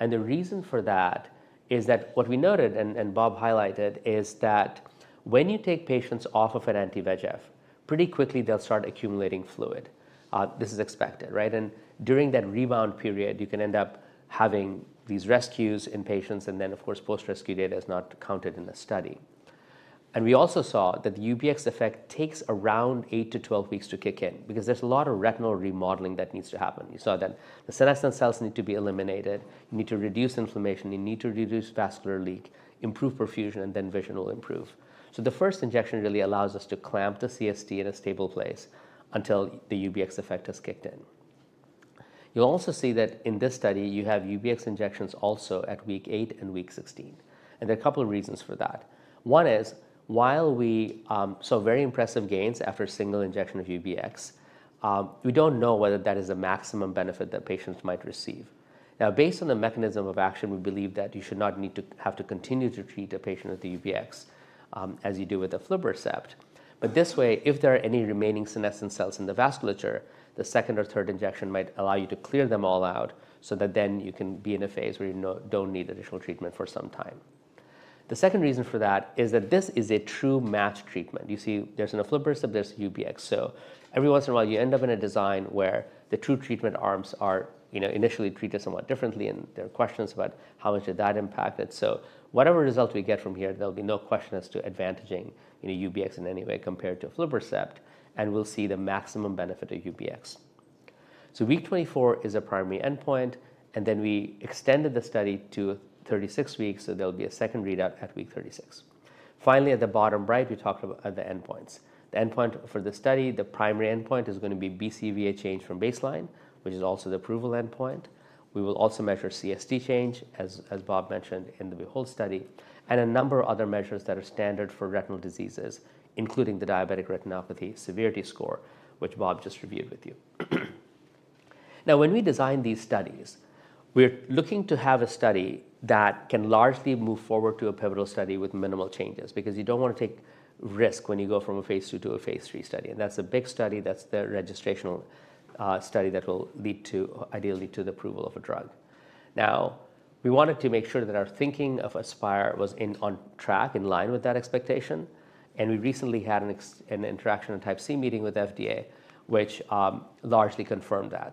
[SPEAKER 1] and the reason for that is that what we noted, and Bob highlighted, is that when you take patients off of an anti-VEGF, pretty quickly they'll start accumulating fluid. This is expected, right, and during that rebound period, you can end up having these rescues in patients, and then, of course, post-rescue data is not counted in the study, and we also saw that the UBX effect takes around eight to 12 weeks to kick in because there's a lot of retinal remodeling that needs to happen. You saw that the senescent cells need to be eliminated. You need to reduce inflammation, you need to reduce vascular leak, improve perfusion, and then vision will improve. So the first injection really allows us to clamp the CST in a stable place until the UBX effect has kicked in. You'll also see that in this study, you have UBX injections also at week eight and week 16, and there are a couple of reasons for that. One is, while we saw very impressive gains after a single injection of UBX, we don't know whether that is the maximum benefit that patients might receive. Now, based on the mechanism of action, we believe that you should not need to have to continue to treat a patient with the UBX, as you do with aflibercept. But this way, if there are any remaining senescent cells in the vasculature, the second or third injection might allow you to clear them all out so that then you can be in a phase where you don't need additional treatment for some time. The second reason for that is that this is a true match treatment. You see, there's an aflibercept, there's UBX. So every once in a while, you end up in a design where the two treatment arms are, you know, initially treated somewhat differently, and there are questions about how much did that impact it. So whatever result we get from here, there'll be no question as to advantaging, you know, UBX in any way compared to aflibercept, and we'll see the maximum benefit of UBX. Week 24 is a primary endpoint, and then we extended the study to 36 weeks, so there'll be a second readout at week 36. Finally, at the bottom right, we talked about the endpoints. The endpoint for the study, the primary endpoint is gonna be BCVA change from baseline, which is also the approval endpoint. We will also measure CST change, as Bob mentioned in the BEHOLD study, and a number of other measures that are standard for retinal diseases, including the diabetic retinopathy severity score, which Bob just reviewed with you. Now, when we design these studies, we're looking to have a study that can largely move forward to a pivotal study with minimal changes, because you don't want to take risk when you go from a phase II to a phase III study. That's a big study. That's the registrational study that will lead to, ideally, to the approval of a drug. Now, we wanted to make sure that our thinking of ASPIRE was in, on track, in line with that expectation, and we recently had an interaction and Type C meeting with FDA, which largely confirmed that.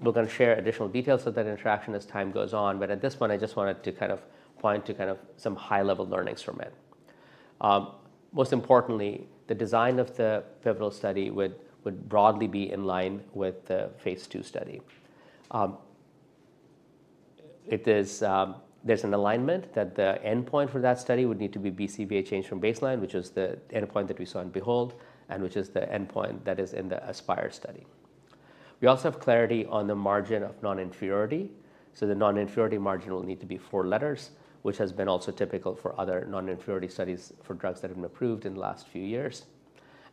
[SPEAKER 1] We're gonna share additional details of that interaction as time goes on, but at this point, I just wanted to kind of point to kind of some high-level learnings from it. Most importantly, the design of the pivotal study would broadly be in line with the phase II study. It is. There's an alignment that the endpoint for that study would need to be BCVA change from baseline, which is the endpoint that we saw in BEHOLD and which is the endpoint that is in the ASPIRE study. We also have clarity on the margin of non-inferiority, so the non-inferiority margin will need to be four letters, which has been also typical for other non-inferiority studies for drugs that have been approved in the last few years,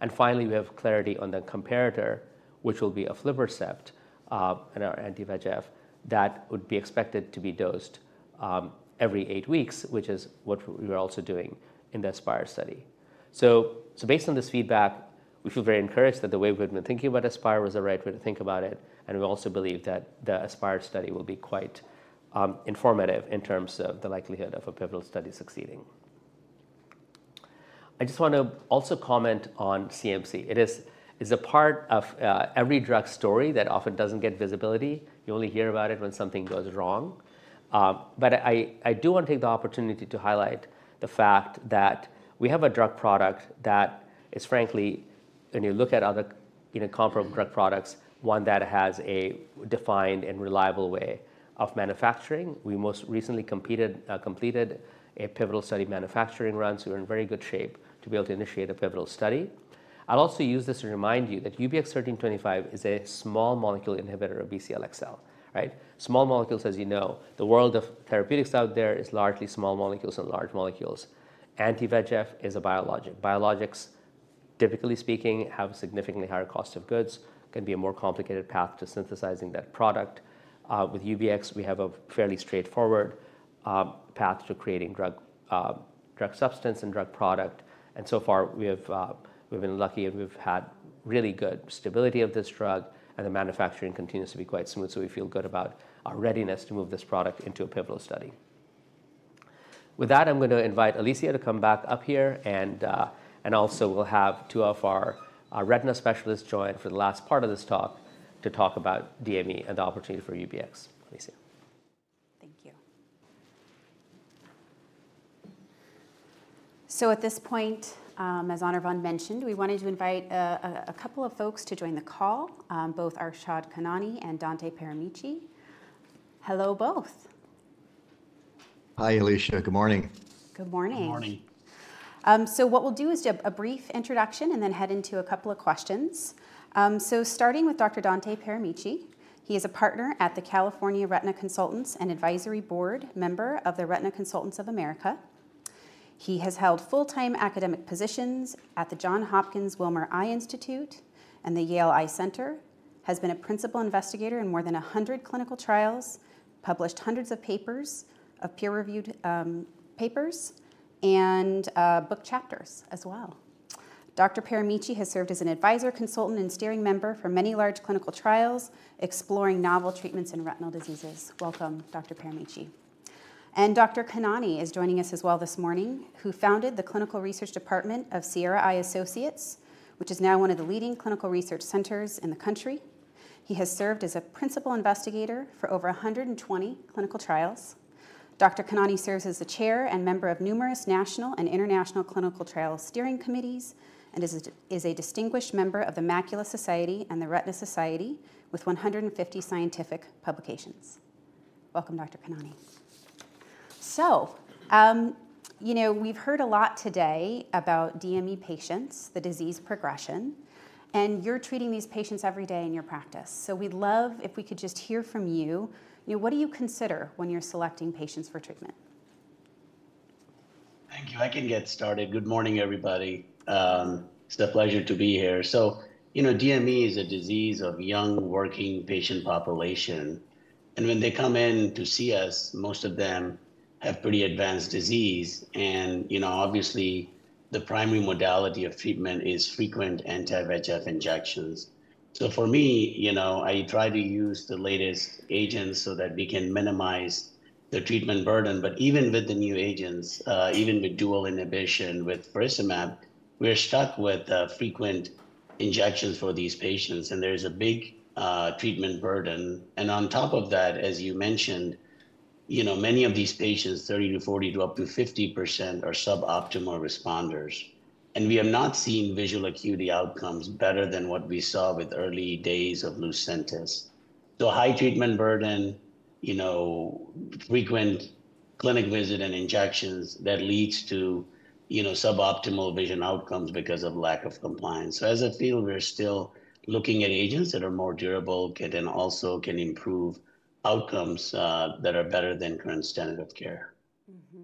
[SPEAKER 1] and finally, we have clarity on the comparator, which will be aflibercept, an anti-VEGF, that would be expected to be dosed every eight weeks, which is what we are also doing in the ASPIRE study, so based on this feedback, we feel very encouraged that the way we've been thinking about ASPIRE was the right way to think about it, and we also believe that the ASPIRE study will be quite informative in terms of the likelihood of a pivotal study succeeding. I just want to also comment on CMC. It is, it's a part of every drug story that often doesn't get visibility. You only hear about it when something goes wrong. But I do want to take the opportunity to highlight the fact that we have a drug product that is frankly, when you look at other, you know, comparable drug products, one that has a defined and reliable way of manufacturing. We most recently completed a pivotal study in manufacturing runs, so we're in very good shape to be able to initiate a pivotal study. I'll also use this to remind you that UBX1325 is a small molecule inhibitor of BCL-XL, right? Small molecules, as you know, the world of therapeutics out there is largely small molecules and large molecules. Anti-VEGF is a biologic. Biologics, typically speaking, have a significantly higher cost of goods, can be a more complicated path to synthesizing that product. With UBX, we have a fairly straightforward path to creating drug substance and drug product, and so far we've been lucky, and we've had really good stability of this drug, and the manufacturing continues to be quite smooth. So we feel good about our readiness to move this product into a pivotal study. With that, I'm going to invite Alicia to come back up here, and also we'll have two of our retina specialists join for the last part of this talk to talk about DME and the opportunity for UBX. Alicia? ...
[SPEAKER 2] So at this point, as Anirvan mentioned, we wanted to invite a couple of folks to join the call, both Arshad Khanani and Dante Pieramici. Hello, both.
[SPEAKER 5] Hi, Alicia. Good morning.
[SPEAKER 2] Good morning.
[SPEAKER 6] Good morning.
[SPEAKER 2] So what we'll do is do a brief introduction and then head into a couple of questions. So starting with Dr. Dante Pieramici, he is a partner at the California Retina Consultants and Advisory Board member of the Retina Consultants of America. He has held full-time academic positions at the Johns Hopkins Wilmer Eye Institute and the Yale Eye Center, has been a principal investigator in more than 100 clinical trials, published hundreds of peer-reviewed papers, and book chapters as well. Dr. Pieramici has served as an advisor, consultant, and steering member for many large clinical trials, exploring novel treatments in retinal diseases. Welcome, Dr. Pieramici. Dr. Khanani is joining us as well this morning, who founded the Clinical Research Department of Sierra Eye Associates, which is now one of the leading clinical research centers in the country. He has served as a principal investigator for over 120 clinical trials. Dr. Khanani serves as the chair and member of numerous national and international clinical trial steering committees, and is a distinguished member of the Macular Society and the Retina Society with 150 scientific publications. Welcome, Dr. Khanani. You know, we've heard a lot today about DME patients, the disease progression, and you're treating these patients every day in your practice. We'd love if we could just hear from you. You know, what do you consider when you're selecting patients for treatment?
[SPEAKER 6] Thank you. I can get started. Good morning, everybody. It's a pleasure to be here. So, you know, DME is a disease of young, working patient population, and when they come in to see us, most of them have pretty advanced disease, and, you know, obviously, the primary modality of treatment is frequent anti-VEGF injections. So for me, you know, I try to use the latest agents so that we can minimize the treatment burden. But even with the new agents, even with dual inhibition, with faricimab, we're stuck with, frequent injections for these patients, and there's a big, treatment burden. And on top of that, as you mentioned, you know, many of these patients, 30 to 40 to up to 50%, are suboptimal responders, and we have not seen visual acuity outcomes better than what we saw with early days of Lucentis. So high treatment burden, you know, frequent clinic visit and injections that leads to, you know, suboptimal vision outcomes because of lack of compliance. So as a field, we're still looking at agents that are more durable, can and also can improve outcomes that are better than current standard of care.
[SPEAKER 2] Mm-hmm.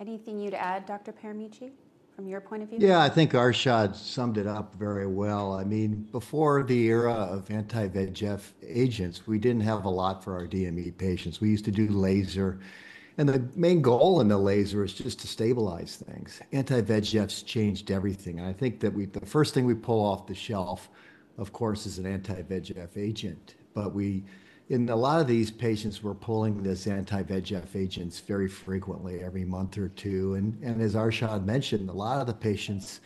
[SPEAKER 2] Anything you'd add, Dr. Pieramici, from your point of view?
[SPEAKER 5] Yeah, I think Arshad summed it up very well. I mean, before the era of anti-VEGF agents, we didn't have a lot for our DME patients. We used to do laser, and the main goal in the laser is just to stabilize things. Anti-VEGFs changed everything. I think that we, the first thing we pull off the shelf, of course, is an anti-VEGF agent. But we, in a lot of these patients, we're pulling this anti-VEGF agents very frequently, every month or two. And as Arshad mentioned, a lot of the patients,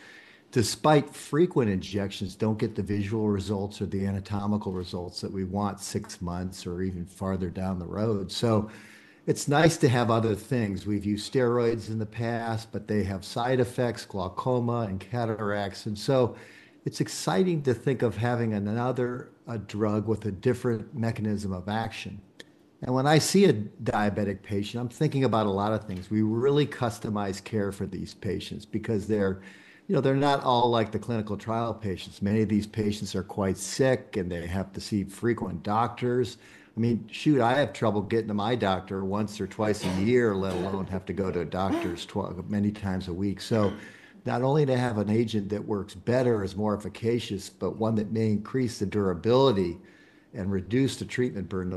[SPEAKER 5] despite frequent injections, don't get the visual results or the anatomical results that we want six months or even farther down the road. So it's nice to have other things. We've used steroids in the past, but they have side effects, glaucoma and cataracts. And so it's exciting to think of having another, a drug with a different mechanism of action. And when I see a diabetic patient, I'm thinking about a lot of things. We really customize care for these patients because they're, you know, they're not all like the clinical trial patients. Many of these patients are quite sick, and they have to see frequent doctors. I mean, shoot, I have trouble getting to my doctor once or twice a year, let alone have to go to a doctor's many times a week. So not only to have an agent that works better, is more efficacious, but one that may increase the durability and reduce the treatment burden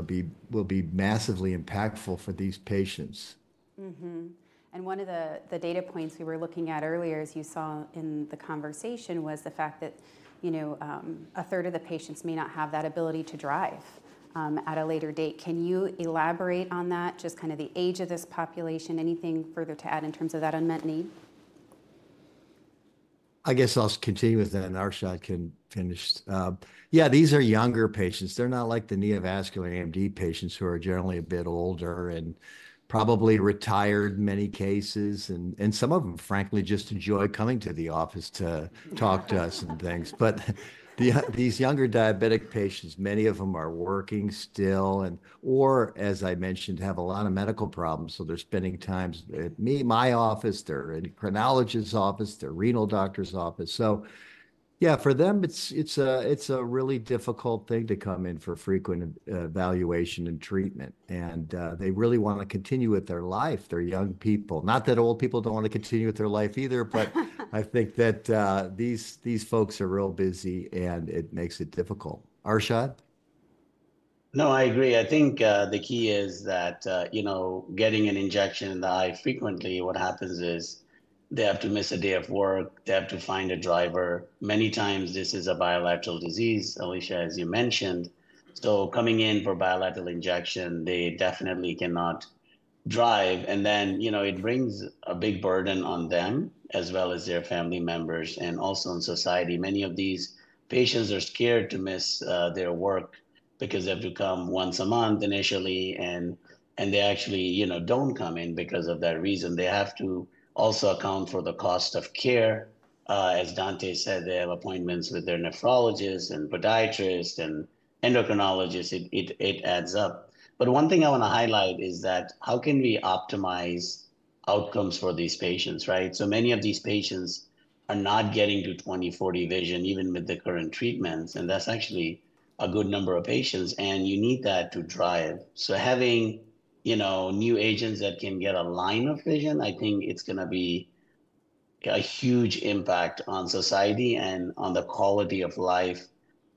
[SPEAKER 5] will be massively impactful for these patients.
[SPEAKER 2] Mm-hmm. And one of the data points we were looking at earlier, as you saw in the conversation, was the fact that, you know, a third of the patients may not have that ability to drive at a later date. Can you elaborate on that, just kind of the age of this population, anything further to add in terms of that unmet need?
[SPEAKER 5] I guess I'll continue with that, and Arshad can finish. Yeah, these are younger patients. They're not like the neovascular AMD patients who are generally a bit older and probably retired in many cases, and some of them, frankly, just enjoy coming to the office to talk to us and things. But these younger diabetic patients, many of them are working still, and or, as I mentioned, have a lot of medical problems, so they're spending time at my office, they're in an endocrinologist's office, their renal doctor's office. So yeah, for them, it's a really difficult thing to come in for frequent evaluation and treatment, and they really want to continue with their life. They're young people. Not that old people don't want to continue with their life either... but I think that, these folks are real busy, and it makes it difficult. Arshad?
[SPEAKER 6] No, I agree. I think, the key is that, you know, getting an injection in the eye frequently, what happens is they have to miss a day of work, they have to find a driver. Many times, this is a bilateral disease, Alicia, as you mentioned. So coming in for bilateral injection, they definitely cannot drive, and then, you know, it brings a big burden on them as well as their family members and also on society. Many of these patients are scared to miss their work because they have to come once a month initially, and they actually, you know, don't come in because of that reason. They have to also account for the cost of care. As Dante said, they have appointments with their nephrologist and podiatrist and endocrinologist. It adds up. But one thing I want to highlight is that how can we optimize outcomes for these patients, right? So many of these patients are not getting to 20/40 vision, even with the current treatments, and that's actually a good number of patients, and you need that to drive. So having, you know, new agents that can get a line of vision, I think it's gonna be a huge impact on society and on the quality of life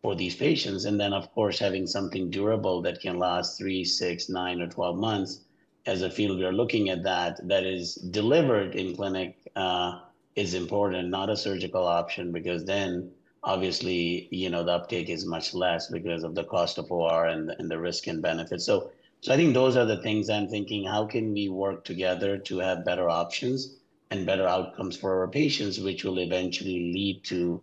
[SPEAKER 6] for these patients. And then, of course, having something durable that can last three, six, nine, or 12 months. As a field, we are looking at that, that is delivered in clinic, is important, not a surgical option, because then obviously, you know, the uptake is much less because of the cost of OR and the risk and benefits. I think those are the things I'm thinking: How can we work together to have better options and better outcomes for our patients, which will eventually lead to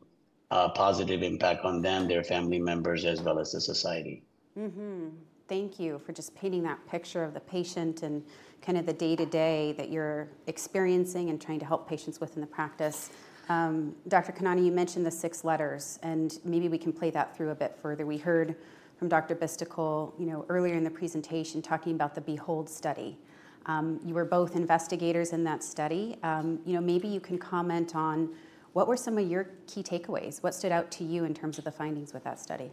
[SPEAKER 6] a positive impact on them, their family members, as well as the society?
[SPEAKER 2] Mm-hmm. Thank you for just painting that picture of the patient and kind of the day-to-day that you're experiencing and trying to help patients with in the practice. Dr. Khanani, you mentioned the six letters, and maybe we can play that through a bit further. We heard from Dr. Bhisitkul, you know, earlier in the presentation, talking about the BEHOLD study. You were both investigators in that study. You know, maybe you can comment on what were some of your key takeaways. What stood out to you in terms of the findings with that study?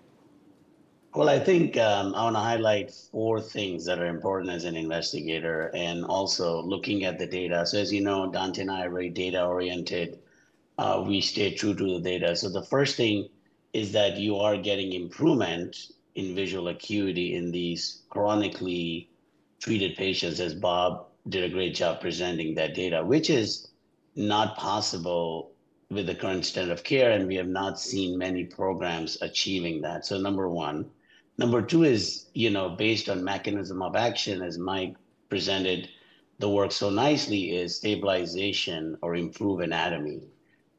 [SPEAKER 6] I think I want to highlight four things that are important as an investigator and also looking at the data. As you know, Dante and I are very data-oriented. We stay true to the data. The first thing is that you are getting improvement in visual acuity in these chronically treated patients, as Bob did a great job presenting that data, which is not possible with the current standard of care, and we have not seen many programs achieving that. Number one. Number two is, you know, based on mechanism of action, as Mike presented the work so nicely, is stabilization or improved anatomy.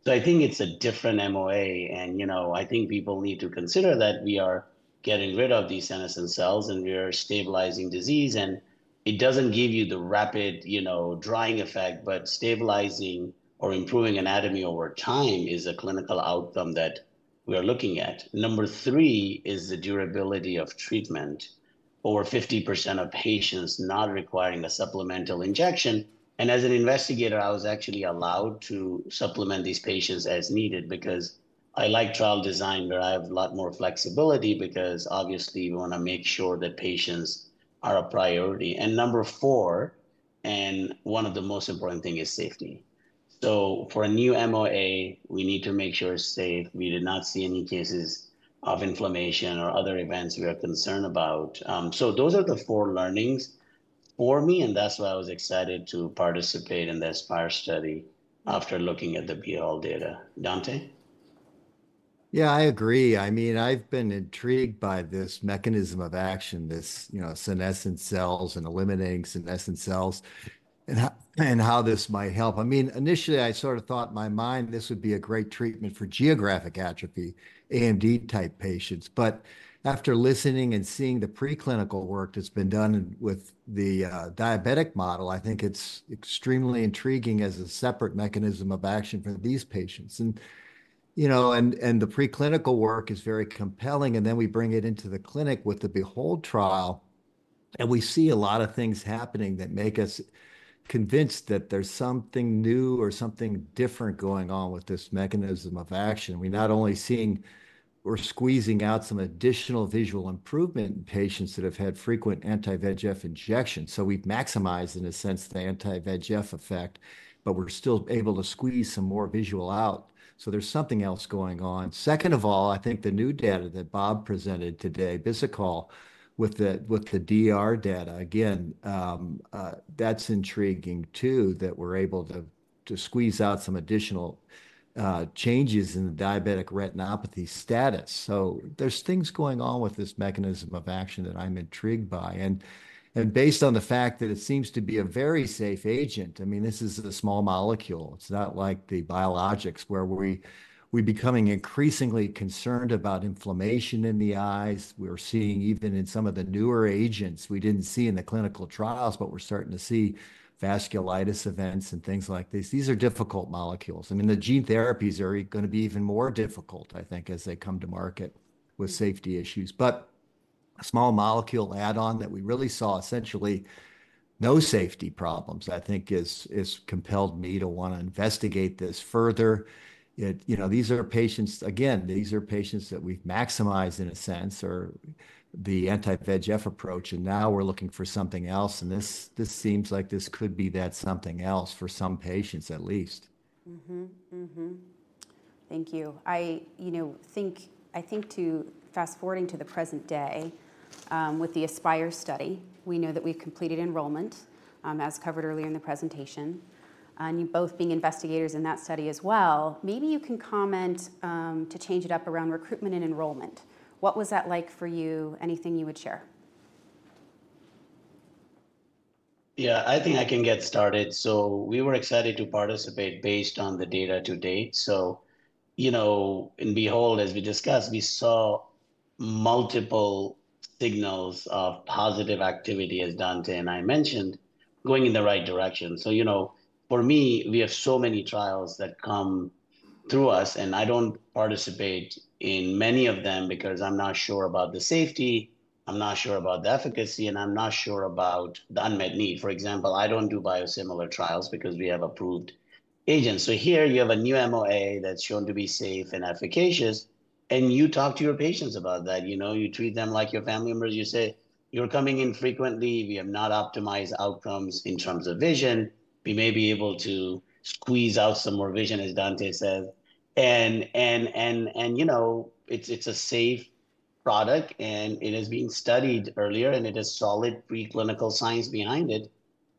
[SPEAKER 6] So I think it's a different MOA, and, you know, I think people need to consider that we are getting rid of these senescent cells, and we are stabilizing disease, and it doesn't give you the rapid, you know, drying effect. But stabilizing or improving anatomy over time is a clinical outcome that we are looking at. Number three is the durability of treatment, over 50% of patients not requiring a supplemental injection. And as an investigator, I was actually allowed to supplement these patients as needed because I like trial design, where I have a lot more flexibility because obviously you want to make sure that patients are a priority. And number four, and one of the most important thing, is safety. So for a new MOA, we need to make sure it's safe. We did not see any cases of inflammation or other events we are concerned about, so those are the four learnings for me, and that's why I was excited to participate in the ASPIRE study after looking at the BEHOLD data. Dante?
[SPEAKER 5] Yeah, I agree. I mean, I've been intrigued by this mechanism of action, this, you know, senescent cells and eliminating senescent cells, and and how this might help. I mean, initially, I sort of thought in my mind this would be a great treatment for geographic atrophy, AMD-type patients. But after listening and seeing the preclinical work that's been done with the, uh, diabetic model, I think it's extremely intriguing as a separate mechanism of action for these patients. And, you know, and the preclinical work is very compelling, and then we bring it into the clinic with the BEHOLD trial, and we see a lot of things happening that make us convinced that there's something new or something different going on with this mechanism of action. We're not only seeing we're squeezing out some additional visual improvement in patients that have had frequent anti-VEGF injections. So we've maximized, in a sense, the anti-VEGF effect, but we're still able to squeeze some more visual out. So there's something else going on. Second of all, I think the new data that Bob presented today, Bhisitkul, with the DR data, again, that's intriguing too, that we're able to squeeze out some additional changes in the diabetic retinopathy status. So there's things going on with this mechanism of action that I'm intrigued by. And based on the fact that it seems to be a very safe agent, I mean, this is a small molecule. It's not like the biologics, where we're becoming increasingly concerned about inflammation in the eyes. We're seeing even in some of the newer agents we didn't see in the clinical trials, but we're starting to see vasculitis events and things like this. These are difficult molecules. I mean, the gene therapies are gonna be even more difficult, I think, as they come to market with safety issues. But a small molecule add-on that we really saw essentially no safety problems, I think is compelled me to want to investigate this further. It. You know, these are patients, again, that we've maximized, in a sense, or the anti-VEGF approach, and now we're looking for something else, and this seems like this could be that something else for some patients at least.
[SPEAKER 2] Mm-hmm. Mm-hmm. Thank you. You know, I think to fast-forwarding to the present day, with the ASPIRE study, we know that we've completed enrollment, as covered earlier in the presentation. You both being investigators in that study as well, maybe you can comment to change it up around recruitment and enrollment. What was that like for you? Anything you would share?
[SPEAKER 6] Yeah, I think I can get started. We were excited to participate based on the data to date. You know, in BEHOLD, as we discussed, we saw multiple signals of positive activity, as Dante and I mentioned, going in the right direction. You know, for me, we have so many trials that come through us, and I don't participate in many of them because I'm not sure about the safety, I'm not sure about the efficacy, and I'm not sure about the unmet need. For example, I don't do biosimilar trials because we have approved agents. Here you have a new MOA that's shown to be safe and efficacious, and you talk to your patients about that. You know, you treat them like your family members. You say, "You're coming in frequently. We have not optimized outcomes in terms of vision. We may be able to squeeze out some more vision," as Dante said. And you know, it's a safe product, and it is being studied earlier, and it has solid preclinical science behind it.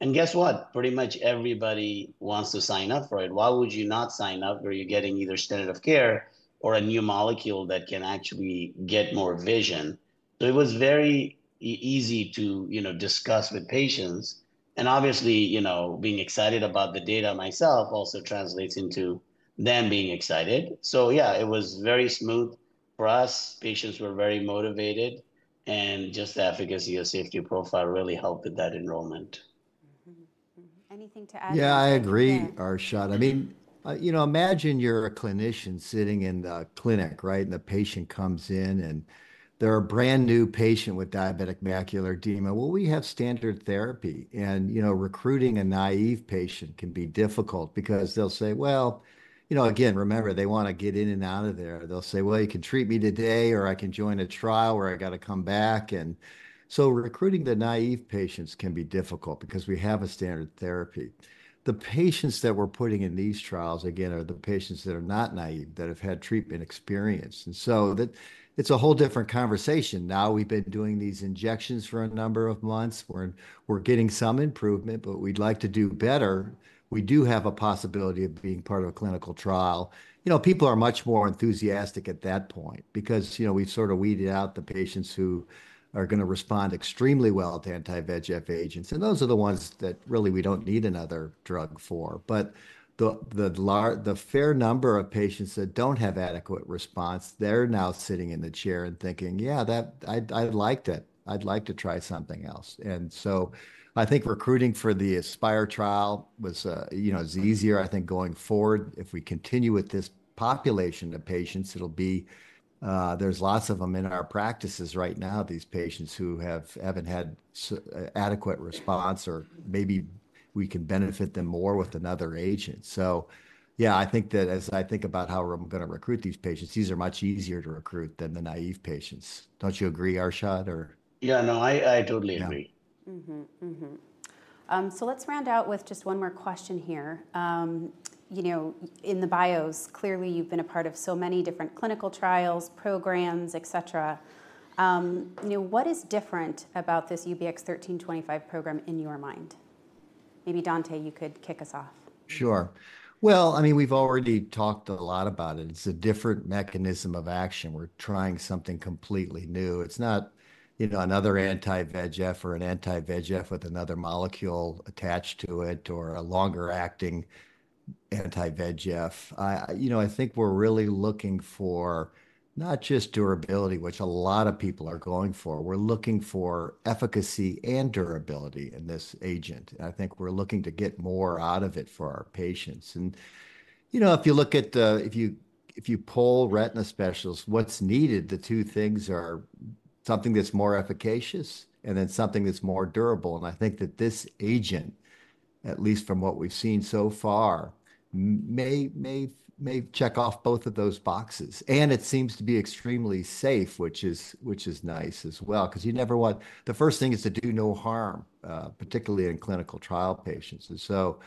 [SPEAKER 6] And guess what? Pretty much everybody wants to sign up for it. Why would you not sign up where you're getting either standard of care or a new molecule that can actually get more vision? So it was very easy to, you know, discuss with patients. And obviously, you know, being excited about the data myself also translates into them being excited. So yeah, it was very smooth for us. Patients were very motivated, and just the efficacy and safety profile really helped with that enrollment.
[SPEAKER 2] Mm-hmm. Mm-hmm. Anything to add to that, Dante?
[SPEAKER 5] Yeah, I agree, Arshad. I mean, you know, imagine you're a clinician sitting in the clinic, right, and the patient comes in, and they're a brand-new patient with diabetic macular edema, well, we have standard therapy, and, you know, recruiting a naive patient can be difficult because they'll say, "Well..." You know, again, remember, they want to get in and out of there. They'll say, "Well, you can treat me today, or I can join a trial where I got to come back and..." so recruiting the naive patients can be difficult because we have a standard therapy. The patients that we're putting in these trials, again, are the patients that are not naive, that have had treatment experience, and so that it's a whole different conversation. Now, we've been doing these injections for a number of months, we're getting some improvement, but we'd like to do better. We do have a possibility of being part of a clinical trial. You know, people are much more enthusiastic at that point because, you know, we've sort of weeded out the patients who are going to respond extremely well to anti-VEGF agents, and those are the ones that really we don't need another drug for. But the fair number of patients that don't have adequate response, they're now sitting in the chair and thinking: "Yeah, I'd like to try something else." And so I think recruiting for the ASPIRE trial was, you know, is easier. I think going forward, if we continue with this population of patients, it'll be... There's lots of them in our practices right now, these patients who haven't had adequate response, or maybe we can benefit them more with another agent. So yeah, I think that as I think about how we're going to recruit these patients, these are much easier to recruit than the naive patients. Don't you agree, Arshad, or?
[SPEAKER 6] Yeah, no, I, I totally agree.
[SPEAKER 5] Yeah.
[SPEAKER 2] Mm-hmm. Mm-hmm. So let's round out with just one more question here. You know, in the bios, clearly, you've been a part of so many different clinical trials, programs, et cetera. You know, what is different about this UBX1325 program in your mind? Maybe Dante, you could kick us off.
[SPEAKER 5] Sure. Well, I mean, we've already talked a lot about it. It's a different mechanism of action. We're trying something completely new. It's not, you know, another anti-VEGF or an anti-VEGF with another molecule attached to it or a longer-acting anti-VEGF. I, you know, I think we're really looking for not just durability, which a lot of people are going for. We're looking for efficacy and durability in this agent. I think we're looking to get more out of it for our patients. And, you know, if you look at, if you poll retina specialists, what's needed, the two things are something that's more efficacious and then something that's more durable. And I think that this agent, at least from what we've seen so far, may check off both of those boxes. It seems to be extremely safe, which is nice as well, 'cause you never want... The first thing is to do no harm, particularly in clinical trial patients. So,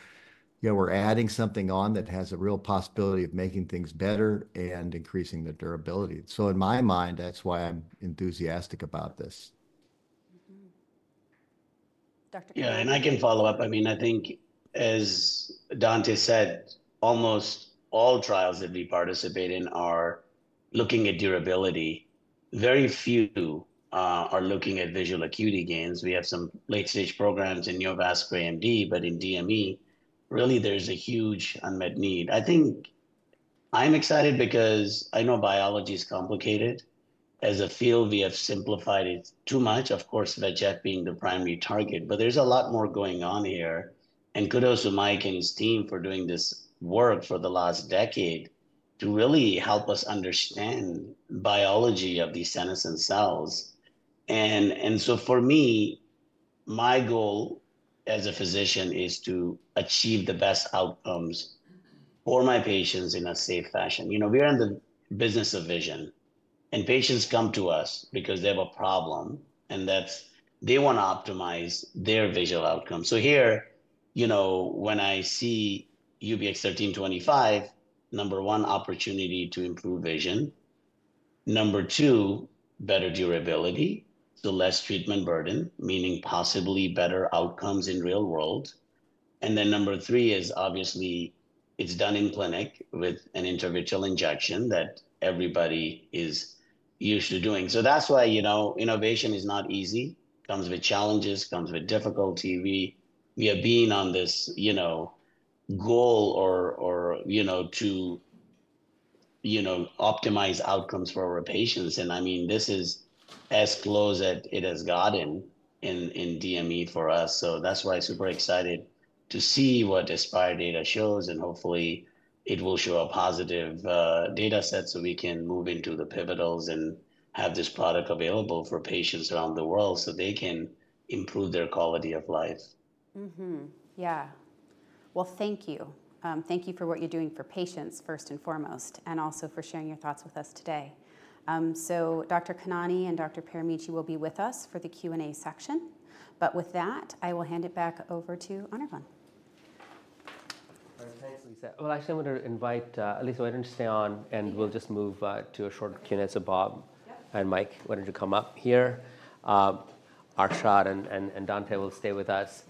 [SPEAKER 5] you know, we're adding something on that has a real possibility of making things better and increasing the durability. In my mind, that's why I'm enthusiastic about this.
[SPEAKER 2] Mm-hmm. Dr. Khanani?
[SPEAKER 6] Yeah, and I can follow up. I mean, I think, as Dante said, almost all trials that we participate in are looking at durability. Very few are looking at visual acuity gains. We have some late-stage programs in neovascular AMD, but in DME, really there's a huge unmet need. I think I'm excited because I know biology is complicated. As a field, we have simplified it too much, of course, VEGF being the primary target, but there's a lot more going on here. And kudos to Mike and his team for doing this work for the last decade to really help us understand biology of these senescent cells. And so for me, my goal as a physician is to achieve the best outcomes- ...for my patients in a safe fashion. You know, we are in the business of vision, and patients come to us because they have a problem, and that's they want to optimize their visual outcome. So here, you know, when I see UBX1325, number one, opportunity to improve vision. Number two, better durability, so less treatment burden, meaning possibly better outcomes in real world. And then number three is obviously, it's done in clinic with an intravitreal injection that everybody is used to doing. So that's why, you know, innovation is not easy, comes with challenges, comes with difficulty. We have been on this, you know, goal to optimize outcomes for our patients. And I mean, this is as close as it has gotten in DME for us. So that's why I'm super excited to see what the ASPIRE data shows, and hopefully it will show a positive, data set, so we can move into the pivotals and have this product available for patients around the world, so they can improve their quality of life.
[SPEAKER 2] Mm-hmm. Yeah. Well, thank you. Thank you for what you're doing for patients first and foremost, and also for sharing your thoughts with us today. So, Dr. Khanani and Dr. Pieramici will be with us for the Q&A section. But with that, I will hand it back over to Anirvan.
[SPEAKER 1] All right, thanks, Alicia. Well, actually, I want to invite Alicia, why don't you stay on, and we'll just move to a short Q&A. So Bob-
[SPEAKER 2] Yep.
[SPEAKER 1] And Mike, why don't you come up here? Arshad and Dante will stay with us.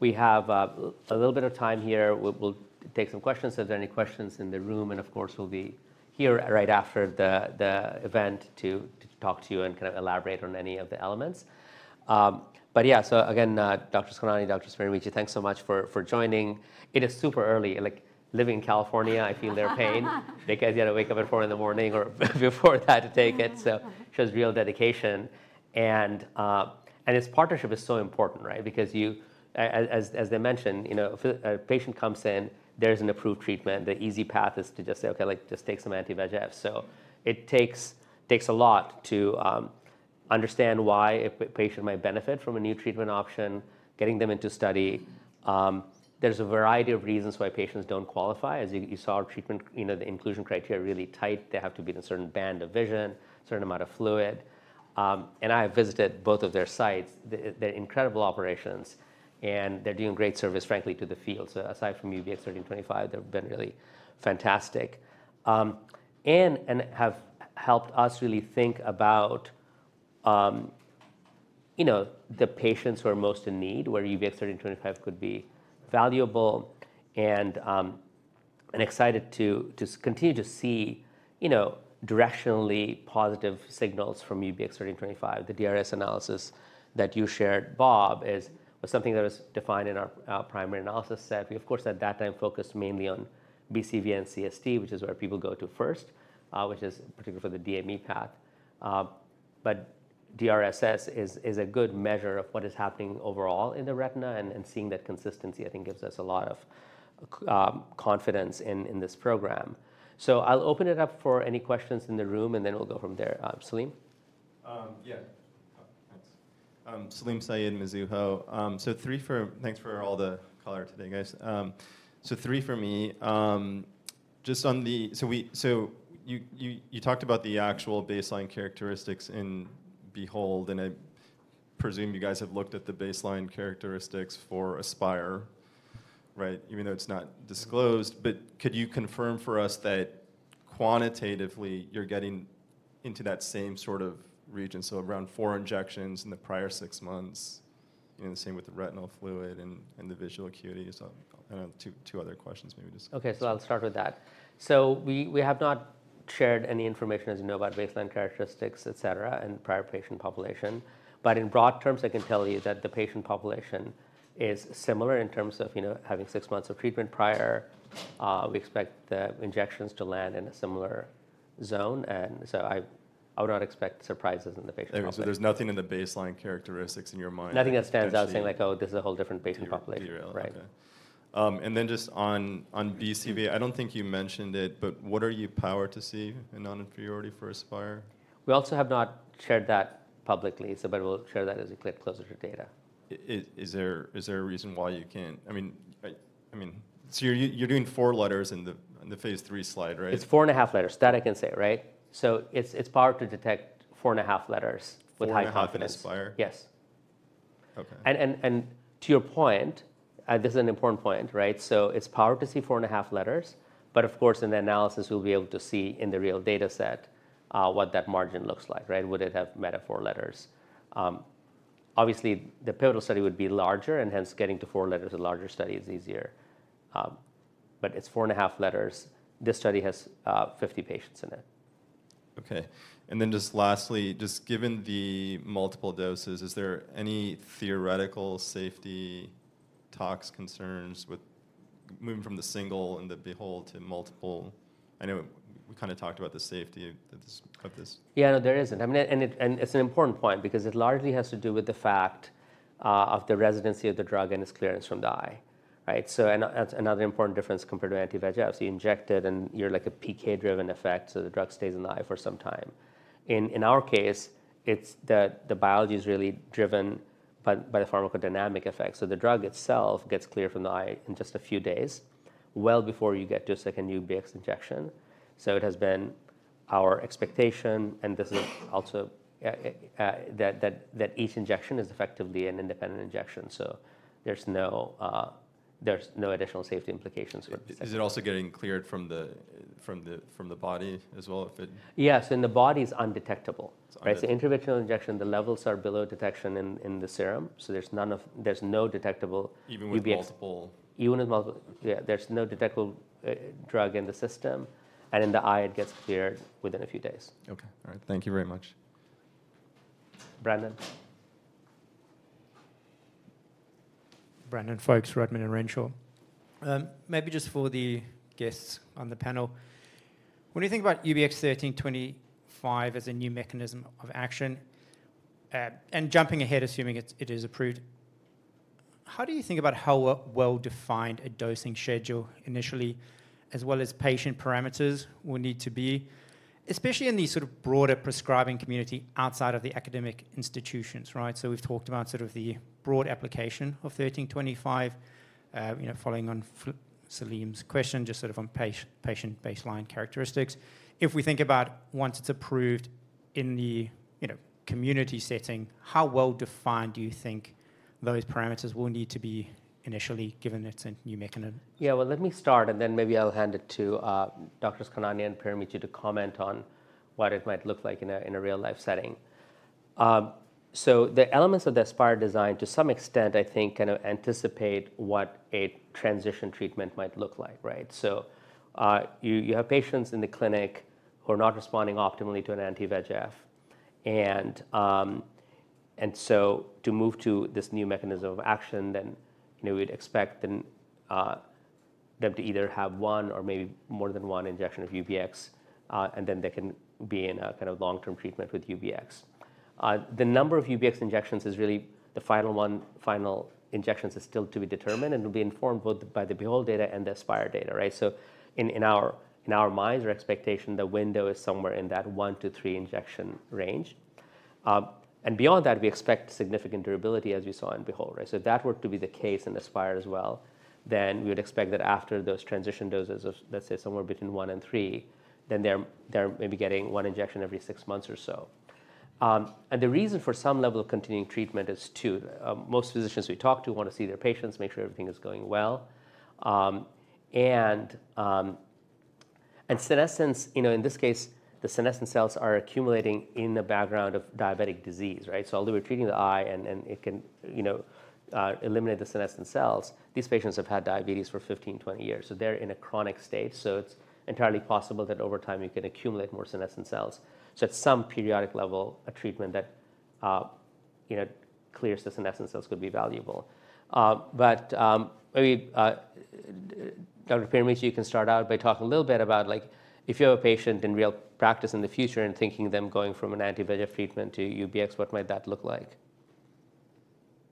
[SPEAKER 1] We have a little bit of time here. We'll take some questions, if there are any questions in the room, and of course, we'll be here right after the event to talk to you and kind of elaborate on any of the elements. But yeah, so again, Doctor Khanani, Doctor Pieramici, thanks so much for joining. It is super early, and like, living in California - I feel their pain, because you had to wake up at four in the morning or before that to take it, so shows real dedication. And this partnership is so important, right? Because as I mentioned, you know, if a patient comes in, there is an approved treatment, the easy path is to just say, "Okay, like, just take some anti-VEGF." So it takes a lot to understand why a patient might benefit from a new treatment option, getting them into study. There's a variety of reasons why patients don't qualify. As you saw our treatment, you know, the inclusion criteria are really tight. They have to be in a certain band of vision, certain amount of fluid. And I have visited both of their sites. They're incredible operations, and they're doing great service, frankly, to the field. So aside from UBX1325, they've been really fantastic. And, and have helped us really think about, you know, the patients who are most in need, where UBX1325 could be valuable and, and excited to, to continue to see, you know, directionally positive signals from UBX1325. The DRSS analysis that you shared, Bob, was something that was defined in our, our primary analysis set. We, of course, at that time, focused mainly on BCVA and CST, which is where people go to first, which is particularly for the DME path. But DRSS is, is a good measure of what is happening overall in the retina, and, and seeing that consistency, I think, gives us a lot of confidence in, in this program. So I'll open it up for any questions in the room, and then we'll go from there. Salim?
[SPEAKER 7] Yeah. Oh, thanks. Salim Syed, Mizuho. So three for... Thanks for all the color today, guys. So three for me. Just on the, so you talked about the actual baseline characteristics in BEHOLD, and I presume you guys have looked at the baseline characteristics for ASPIRE, right? Even though it's not disclosed. But could you confirm for us that quantitatively you're getting into that same sort of region, so around four injections in the prior six months, you know, the same with the retinal fluid and the visual acuity? So and two other questions, maybe just-
[SPEAKER 1] Okay, so I'll start with that. We have not shared any information, as you know, about baseline characteristics, et cetera, in prior patient population. But in broad terms, I can tell you that the patient population is similar in terms of, you know, having six months of treatment prior. We expect the injections to land in a similar zone, and so I would not expect surprises in the patient population.
[SPEAKER 7] So there's nothing in the baseline characteristics in your mind that?
[SPEAKER 1] Nothing that stands out saying like: "Oh, this is a whole different patient population. Right.
[SPEAKER 7] Okay. And then just on BCVA, I don't think you mentioned it, but what are you powered to see in non-inferiority for ASPIRE?
[SPEAKER 1] We also have not shared that publicly, so, but we'll share that as we get closer to data.
[SPEAKER 7] Is there a reason why you can't? I mean, so you're doing four letters in the phase III slide, right?
[SPEAKER 1] It's four and a half letters. That I can say, right? So it's, it's powered to detect four and a half letters with high confidence.
[SPEAKER 7] Four and a half in ASPIRE?
[SPEAKER 1] Yes.
[SPEAKER 7] Okay.
[SPEAKER 1] To your point, this is an important point, right? So it's powered to see four and a half letters, but of course, in the analysis, we'll be able to see in the real data set what that margin looks like, right? Would it have met a four letters? Obviously, the pivotal study would be larger, and hence getting to four letters in a larger study is easier. But it's four and a half letters. This study has 50 patients in it.
[SPEAKER 7] Okay. And then just lastly, just given the multiple doses, is there any theoretical safety talks, concerns with moving from the single in the BEHOLD to multiple? I know we kind of talked about the safety of this.
[SPEAKER 1] Yeah, no, there isn't. I mean, and it's an important point because it largely has to do with the fact of the residence of the drug and its clearance from the eye, right? So that's another important difference compared to anti-VEGF. So you inject it, and you're like a PK-driven effect, so the drug stays in the eye for some time. In our case, it's the biology is really driven by the pharmacodynamic effect. So the drug itself gets cleared from the eye in just a few days, well before you get to a second UBX injection. So it has been our expectation, and this is also that each injection is effectively an independent injection. So there's no additional safety implications for the second-
[SPEAKER 7] Is it also getting cleared from the body as well, if it-
[SPEAKER 1] Yes, in the body, it's undetectable.
[SPEAKER 7] It's undetectable.
[SPEAKER 1] Right, so intravitreal injection, the levels are below detection in the serum, so there's none of—there's no detectable UBX-
[SPEAKER 7] Even with multiple-
[SPEAKER 1] Even with multiple... Yeah, there's no detectable drug in the system, and in the eye, it gets cleared within a few days.
[SPEAKER 7] Okay. All right. Thank you very much....
[SPEAKER 1] Brandon?
[SPEAKER 8] Brandon Folkes, Rodman and Renshaw. Maybe just for the guests on the panel, when you think about UBX1325 as a new mechanism of action, and jumping ahead, assuming it's, it is approved, how do you think about how well, well-defined a dosing schedule initially, as well as patient parameters will need to be, especially in the sort of broader prescribing community outside of the academic institutions, right? So we've talked about sort of the broad application of 1325, you know, following on Salim's question, just sort of on patient baseline characteristics. If we think about once it's approved in the, you know, community setting, how well-defined do you think those parameters will need to be initially, given it's a new mechanism?
[SPEAKER 1] Yeah, well, let me start, and then maybe I'll hand it to Doctors Khanani and Pieramici to comment on what it might look like in a real-life setting. So, the elements of the ASPIRE design, to some extent, I think, kind of anticipate what a transition treatment might look like, right? So, you have patients in the clinic who are not responding optimally to an anti-VEGF. And so to move to this new mechanism of action, then, you know, we'd expect then them to either have one or maybe more than one injection of UBX, and then they can be in a kind of long-term treatment with UBX. The number of UBX injections is really the final injections is still to be determined, and will be informed both by the BEHOLD data and the ASPIRE data, right? In our minds, our expectation, the window is somewhere in that one to three injection range. And beyond that, we expect significant durability, as we saw in BEHOLD, right? If that were to be the case in ASPIRE as well, then we would expect that after those transition doses of, let's say, somewhere between one and three, then they're maybe getting one injection every six months or so. And the reason for some level of continuing treatment is too: most physicians we talk to want to see their patients, make sure everything is going well. And senescence, you know, in this case, the senescent cells are accumulating in the background of diabetic disease, right? So although we're treating the eye and it can, you know, eliminate the senescent cells, these patients have had diabetes for 15, 20 years, so they're in a chronic state. So it's entirely possible that over time, you could accumulate more senescent cells. So at some periodic level, a treatment that, you know, clears the senescent cells could be valuable. But maybe, Dr. Pieramici, you can start out by talking a little bit about, like, if you have a patient in real practice in the future and thinking of them going from an anti-VEGF treatment to UBX, what might that look like?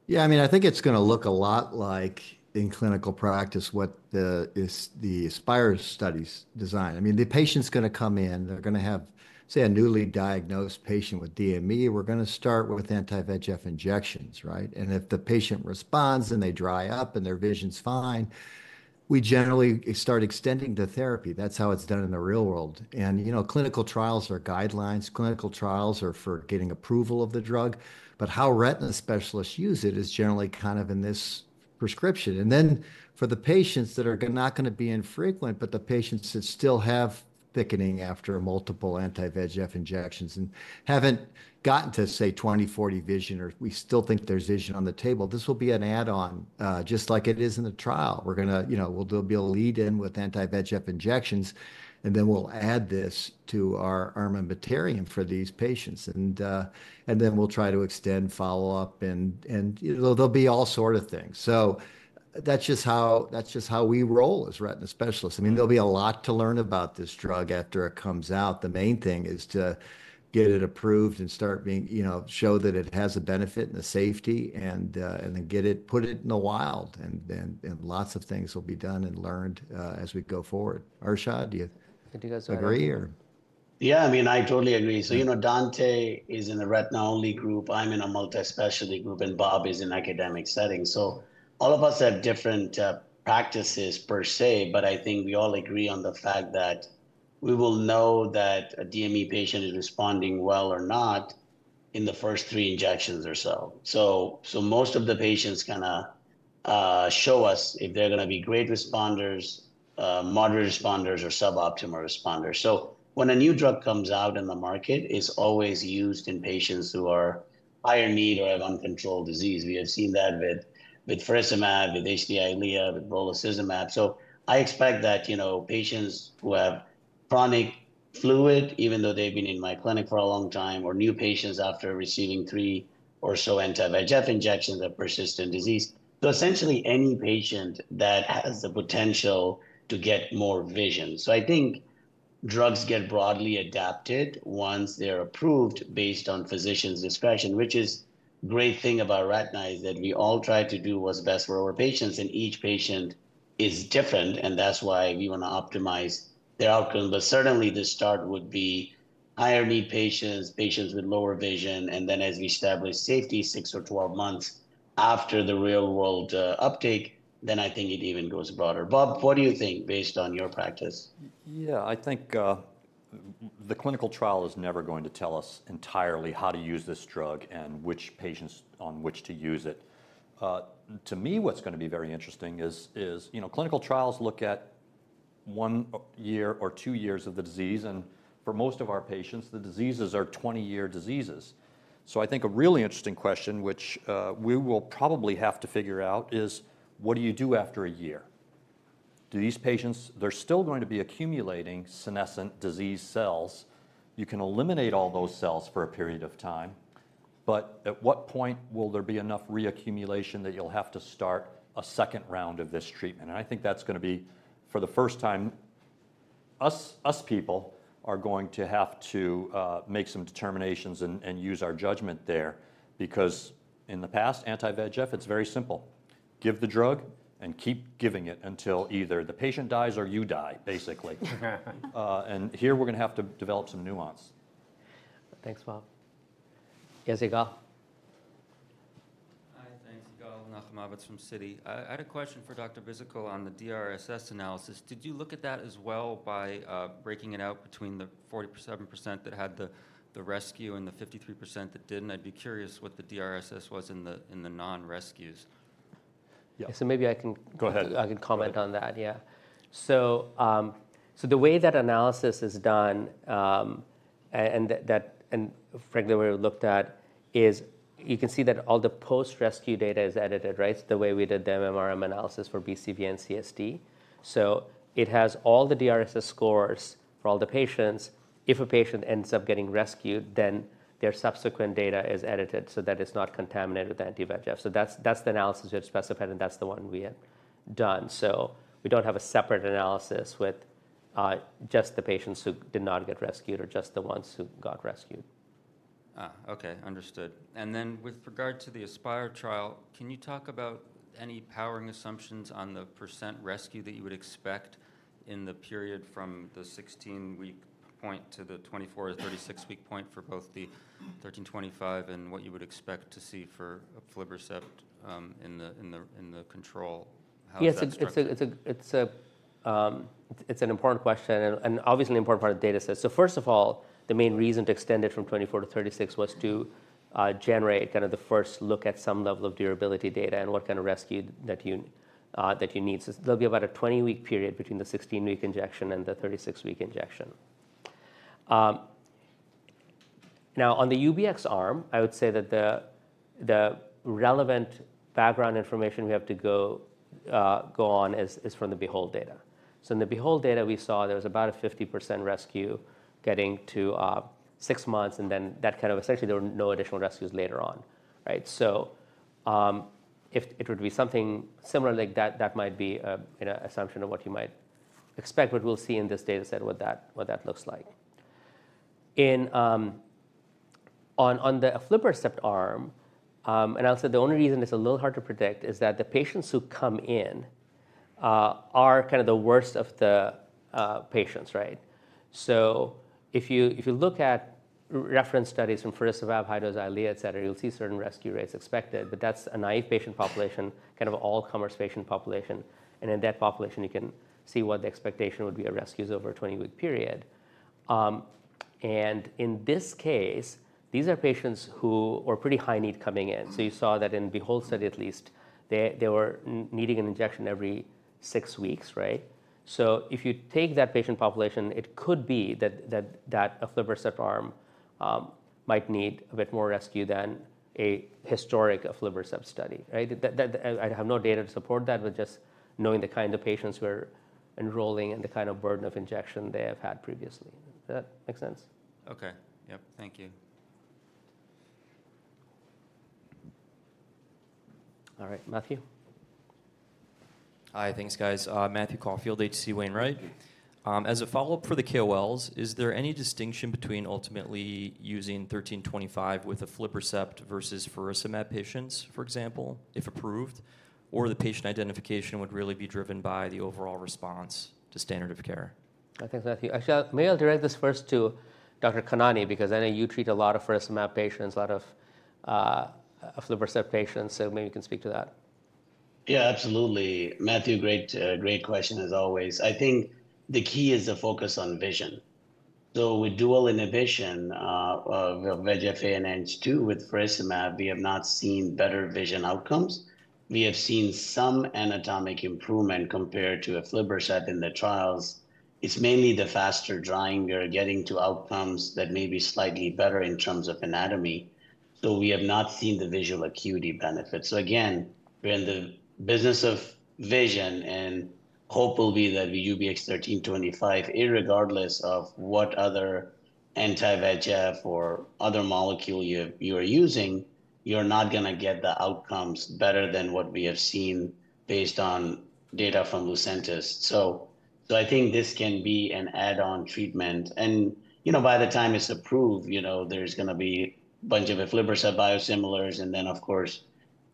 [SPEAKER 5] Yeah, I mean, I think it's gonna look a lot like in clinical practice what the ASPIRE study's design is. I mean, the patient's gonna come in. They're gonna have, say, a newly diagnosed patient with DME. We're gonna start with anti-VEGF injections, right? And if the patient responds, and they dry up, and their vision's fine, we generally start extending the therapy. That's how it's done in the real world. And, you know, clinical trials are guidelines. Clinical trials are for getting approval of the drug, but how retina specialists use it is generally kind of in this prescription. And then for the patients that are not gonna be infrequent, but the patients that still have thickening after multiple anti-VEGF injections and haven't gotten to, say, 20/40 vision, or we still think there's vision on the table, this will be an add-on just like it is in the trial. We're gonna, you know, we'll do a lead-in with anti-VEGF injections, and then we'll add this to our armamentarium for these patients. And then we'll try to extend follow-up, and there'll be all sort of things. So that's just how we roll as retina specialists. I mean, there'll be a lot to learn about this drug after it comes out. The main thing is to get it approved and start being—you know, show that it has a benefit and a safety and, and then get it—put it in the wild, and then, and lots of things will be done and learned, as we go forward. Arshad, do you— Do you guys agree?
[SPEAKER 6] Yeah, I mean, I totally agree. So, you know, Dante is in a retina-only group, I'm in a multi-specialty group, and Bob is in academic setting. So all of us have different practices per se, but I think we all agree on the fact that we will know that a DME patient is responding well or not in the first three injections or so. So most of the patients gonna show us if they're gonna be great responders, moderate responders, or suboptimal responders. So when a new drug comes out in the market, it's always used in patients who are higher need or have uncontrolled disease. We have seen that with faricimab, with Eylea, with brolucizumab. I expect that, you know, patients who have chronic fluid, even though they've been in my clinic for a long time, or new patients after receiving three or so anti-VEGF injections that persistent disease. Essentially any patient that has the potential to get more vision. I think drugs get broadly adapted once they're approved based on physician's discretion, which is great thing about retina, is that we all try to do what's best for our patients, and each patient is different, and that's why we want to optimize the outcome. But certainly, the start would be higher need patients, patients with lower vision, and then as we establish safety six or twelve months after the real-world uptake, then I think it even goes broader. Bob, what do you think, based on your practice?
[SPEAKER 4] Yeah, I think the clinical trial is never going to tell us entirely how to use this drug and which patients on which to use it. To me, what's gonna be very interesting is, you know, clinical trials look at one year or two years of the disease, and for most of our patients, the diseases are twenty-year diseases. So I think a really interesting question, which we will probably have to figure out, is what do you do after a year? Do these patients, they're still going to be accumulating senescent cells. You can eliminate all those cells for a period of time, but at what point will there be enough reaccumulation that you'll have to start a second round of this treatment? And I think that's gonna be, for the first time, us people are going to have to make some determinations and use our judgment there. Because in the past, anti-VEGF, it's very simple: give the drug and keep giving it until either the patient dies or you die, basically. And here, we're gonna have to develop some nuance.
[SPEAKER 1] Thanks, Bob. Yigal?
[SPEAKER 9] Hi. Thanks, Yigal Nochomovitz from Citi. I had a question for Dr. Bhisitkul on the DRSS analysis. Did you look at that as well by breaking it out between the 47% that had the rescue and the 53% that didn't? I'd be curious what the DRSS was in the non-rescues.
[SPEAKER 1] So maybe I can—
[SPEAKER 4] Go ahead.
[SPEAKER 1] I can comment on that. Yeah. So the way that analysis is done and that, and frankly, the way we looked at, is you can see that all the post-rescue data is edited, right? The way we did the MMRM analysis for BCVA CST. So it has all the DRSS scores for all the patients. If a patient ends up getting rescued, then their subsequent data is edited so that it's not contaminated with anti-VEGF. So that's the analysis you have specified, and that's the one we have done. So we don't have a separate analysis with just the patients who did not get rescued or just the ones who got rescued.
[SPEAKER 9] Ah, okay. Understood. And then with regard to the ASPIRE trial, can you talk about any powering assumptions on the % rescue that you would expect in the period from the 16-week point to the 24- to 36-week point for both the UBX1325 and what you would expect to see for aflibercept in the control? How is that structured?
[SPEAKER 1] Yes, it's an important question and obviously an important part of the data set. So first of all, the main reason to extend it from 24 to 36 was to generate kind of the first look at some level of durability data and what kind of rescue that you need. So there'll be about a 20-week period between the 16-week injection and the 36-week injection. Now, on the UBX arm, I would say that the relevant background information we have to go on is from the BEHOLD data. So in the BEHOLD data, we saw there was about a 50% rescue getting to six months, and then that kind of essentially, there were no additional rescues later on, right? So, if it would be something similar like that, that might be a, you know, assumption of what you might expect, what we'll see in this data set, what that looks like. On the aflibercept arm, and I'll say the only reason it's a little hard to predict is that the patients who come in are kind of the worst of the patients, right? So if you look at reference studies from faricimab, Eylea, et cetera, you'll see certain rescue rates expected, but that's a naive patient population, kind of all-comers patient population, and in that population, you can see what the expectation would be of rescues over a twenty-week period. And in this case, these are patients who were pretty high need coming in. So you saw that in BEHOLD study, at least, they were needing an injection every six weeks, right? So if you take that patient population, it could be that aflibercept arm might need a bit more rescue than a historic aflibercept study, right? That, I have no data to support that, but just knowing the kind of patients we're enrolling and the kind of burden of injection they have had previously. Does that make sense?
[SPEAKER 9] Okay. Yep. Thank you.
[SPEAKER 1] All right, Matthew.
[SPEAKER 10] Hi. Thanks, guys. Matthew Caufield, H.C. Wainwright. As a follow-up for the KOLs, is there any distinction between ultimately using thirteen twenty-five with aflibercept versus faricimab patients, for example, if approved? Or the patient identification would really be driven by the overall response to standard of care?
[SPEAKER 1] Okay, Matthew. Actually, may I direct this first to Dr. Khanani, because I know you treat a lot of faricimab patients, a lot of aflibercept patients, so maybe you can speak to that.
[SPEAKER 6] Yeah, absolutely. Matthew, great, great question as always. I think the key is the focus on vision. So with dual inhibition, of VEGF-A and Ang2, with faricimab, we have not seen better vision outcomes. We have seen some anatomic improvement compared to aflibercept in the trials. It's mainly the faster drying. We are getting to outcomes that may be slightly better in terms of anatomy, though we have not seen the visual acuity benefit. So again, we're in the business of vision, and hope will be that the UBX1325, irregardless of what other anti-VEGF or other molecule you are using, you're not gonna get the outcomes better than what we have seen based on data from Lucentis. So I think this can be an add-on treatment. You know, by the time it's approved, you know, there's gonna be a bunch of aflibercept biosimilars, and then, of course,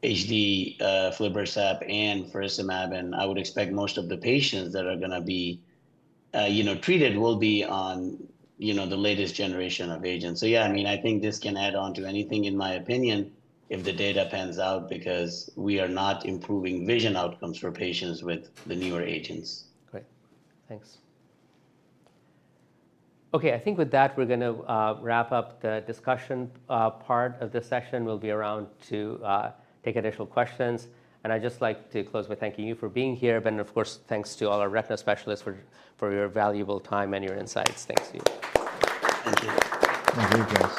[SPEAKER 6] HD aflibercept and faricimab, and I would expect most of the patients that are gonna be, you know, treated will be on, you know, the latest generation of agents. So yeah, I mean, I think this can add on to anything, in my opinion, if the data pans out, because we are not improving vision outcomes for patients with the newer agents.
[SPEAKER 1] Great. Thanks. Okay, I think with that, we're gonna wrap up the discussion. Part of this session will be around to take additional questions, and I'd just like to close by thanking you for being here. But of course, thanks to all our retina specialists for your valuable time and your insights. Thanks to you.
[SPEAKER 10] Thank you. Thank you, guys.